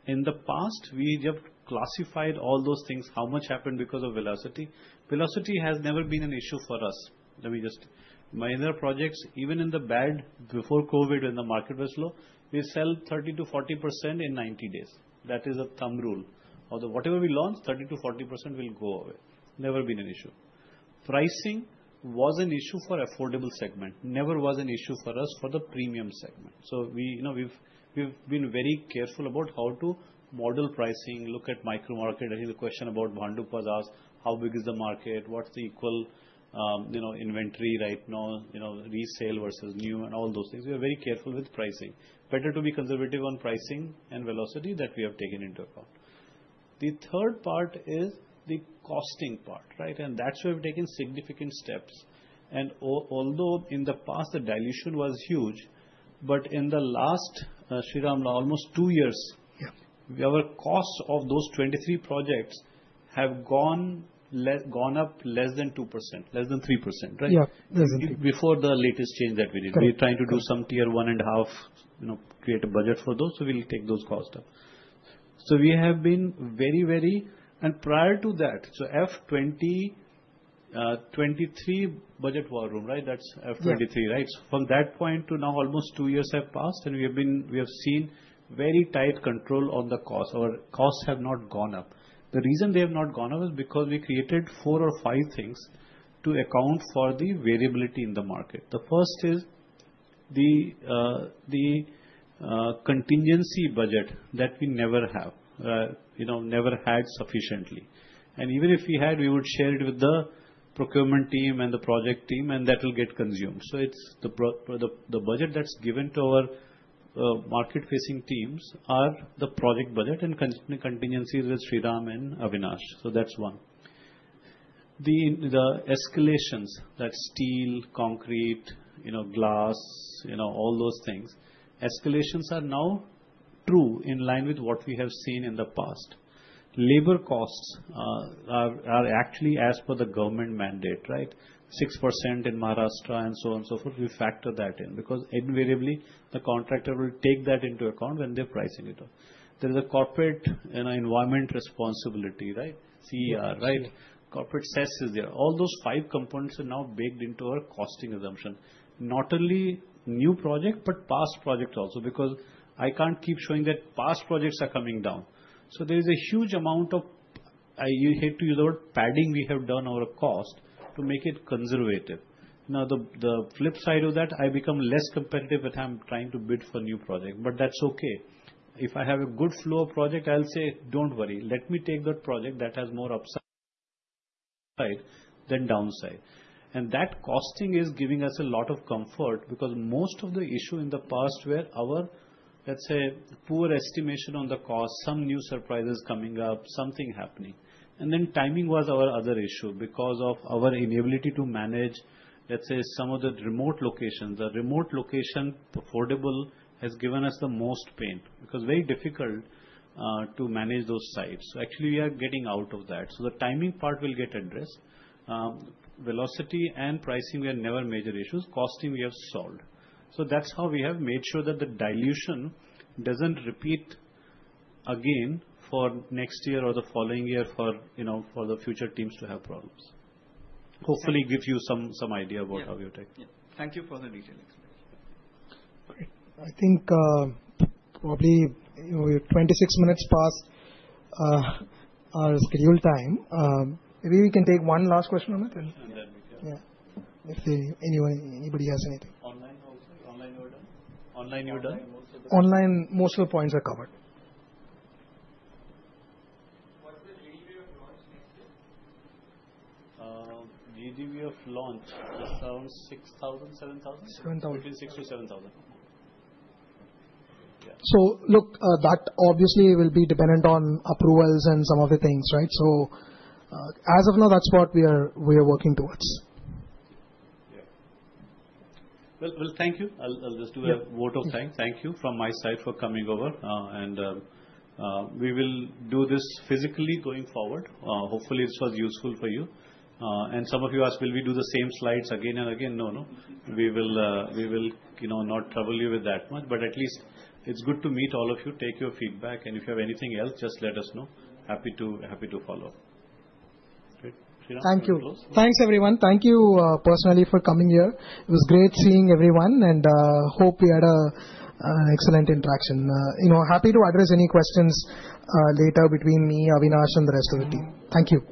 S2: In the past, we just classified all those things, how much happened because of velocity. Velocity has never been an issue for us. Let me just, in our projects, even in the bad before COVID when the market was low, we sell 30%–40% in 90 days. That is a thumb rule or whatever we launch, 30%-40% will go away. Never been an issue. Pricing was an issue for affordable segment. Never was an issue for us for the premium segment. So we, you know, we've been very careful about how to model pricing, look at micro-market. I think the question about Bhandup has asked, how big is the market? What's the equilibrium, you know, inventory right now, you know, resale versus new and all those things. We are very careful with pricing. Better to be conservative on pricing and velocity that we have taken into account. The third part is the costing part, right? And that's where we've taken significant steps. And although in the past the dilution was huge, but in the last Sriram-led almost two years, yeah, our costs of those 23 projects have gone less, gone up less than 2%, less than 3%, right? Yeah, less than 3%. Before the latest change that we did, we're trying to do some tier one and a half, you know, create a budget for those. So we'll take those costs up. So we have been very, very, and prior to that, so FY2020, FY2023 budget war room, right? That's FY2023, right? From that point to now, almost two years have passed and we have been. We have seen very tight control on the cost. Our costs have not gone up. The reason they have not gone up is because we created four or five things to account for the variability in the market. The first is the contingency budget that we never have, you know, never had sufficiently. And even if we had, we would share it with the procurement team and the project team and that will get consumed. It's the budget that's given to our market-facing teams are the project budget and contingencies with Sriram and Avinash. That's one. The escalations, that steel, concrete, you know, glass, you know, all those things, escalations are now truly in line with what we have seen in the past. Labor costs are actually as per the government mandate, right? 6% in Maharashtra and so on and so forth. We factor that in because invariably the contractor will take that into account when they're pricing it up. There is a corporate, you know, environment responsibility, right? CER, right? Corporate CER is there. All those five components are now baked into our costing assumption. Not only new project, but past projects also because I can't keep showing that past projects are coming down. So there is a huge amount of, I hate to use the word padding, we have done our cost to make it conservative. Now the flip side of that, I become less competitive when I'm trying to bid for new projects, but that's okay. If I have a good flow of project, I'll say, don't worry, let me take that project that has more upside than downside. And that costing is giving us a lot of comfort because most of the issue in the past were our, let's say, poor estimation on the cost, some new surprises coming up, something happening. And then timing was our other issue because of our inability to manage, let's say, some of the remote locations. The remote location, affordable has given us the most pain because very difficult to manage those sites. So actually we are getting out of that. So the timing part will get addressed. Velocity and pricing were never major issues. Costing we have solved. So that's how we have made sure that the dilution doesn't repeat again for next year or the following year for, you know, for the future teams to have problems. Hopefully gives you some idea about how we attack. Thank you for the detailing.
S3: I think, probably, you know, we have 26 minutes past our scheduled time. Maybe we can take one last question.
S2: Ahmad. Yeah. If anyone, anybody has anything. Online hosting, Online you're done.
S4: Online, most of the points are covered. What's the GDV of launches next year?
S3: GDV of launches just around 6,000, 7,000? 7,000. Between 6,000–7,000. So look, that obviously will be dependent on approvals and some of the things, right? So, as of now, that's what we are working towards.
S2: Yeah. Well, thank you. I'll just do a vote of thanks. Thank you from my side for coming over. And we will do this physically going forward. Hopefully this was useful for you. And some of you asked, will we do the same slides again and again? No, no. We will, we will, you know, not trouble you with that much, but at least it's good to meet all of you, take your feedback, and if you have anything else, just let us know. Happy to, happy to follow up.
S3: Thank you. Thanks everyone. Thank you, personally for coming here. It was great seeing everyone and, hope we had a, excellent interaction. You know, happy to address any questions, later between me, Avinash, and the rest of the team. Thank you.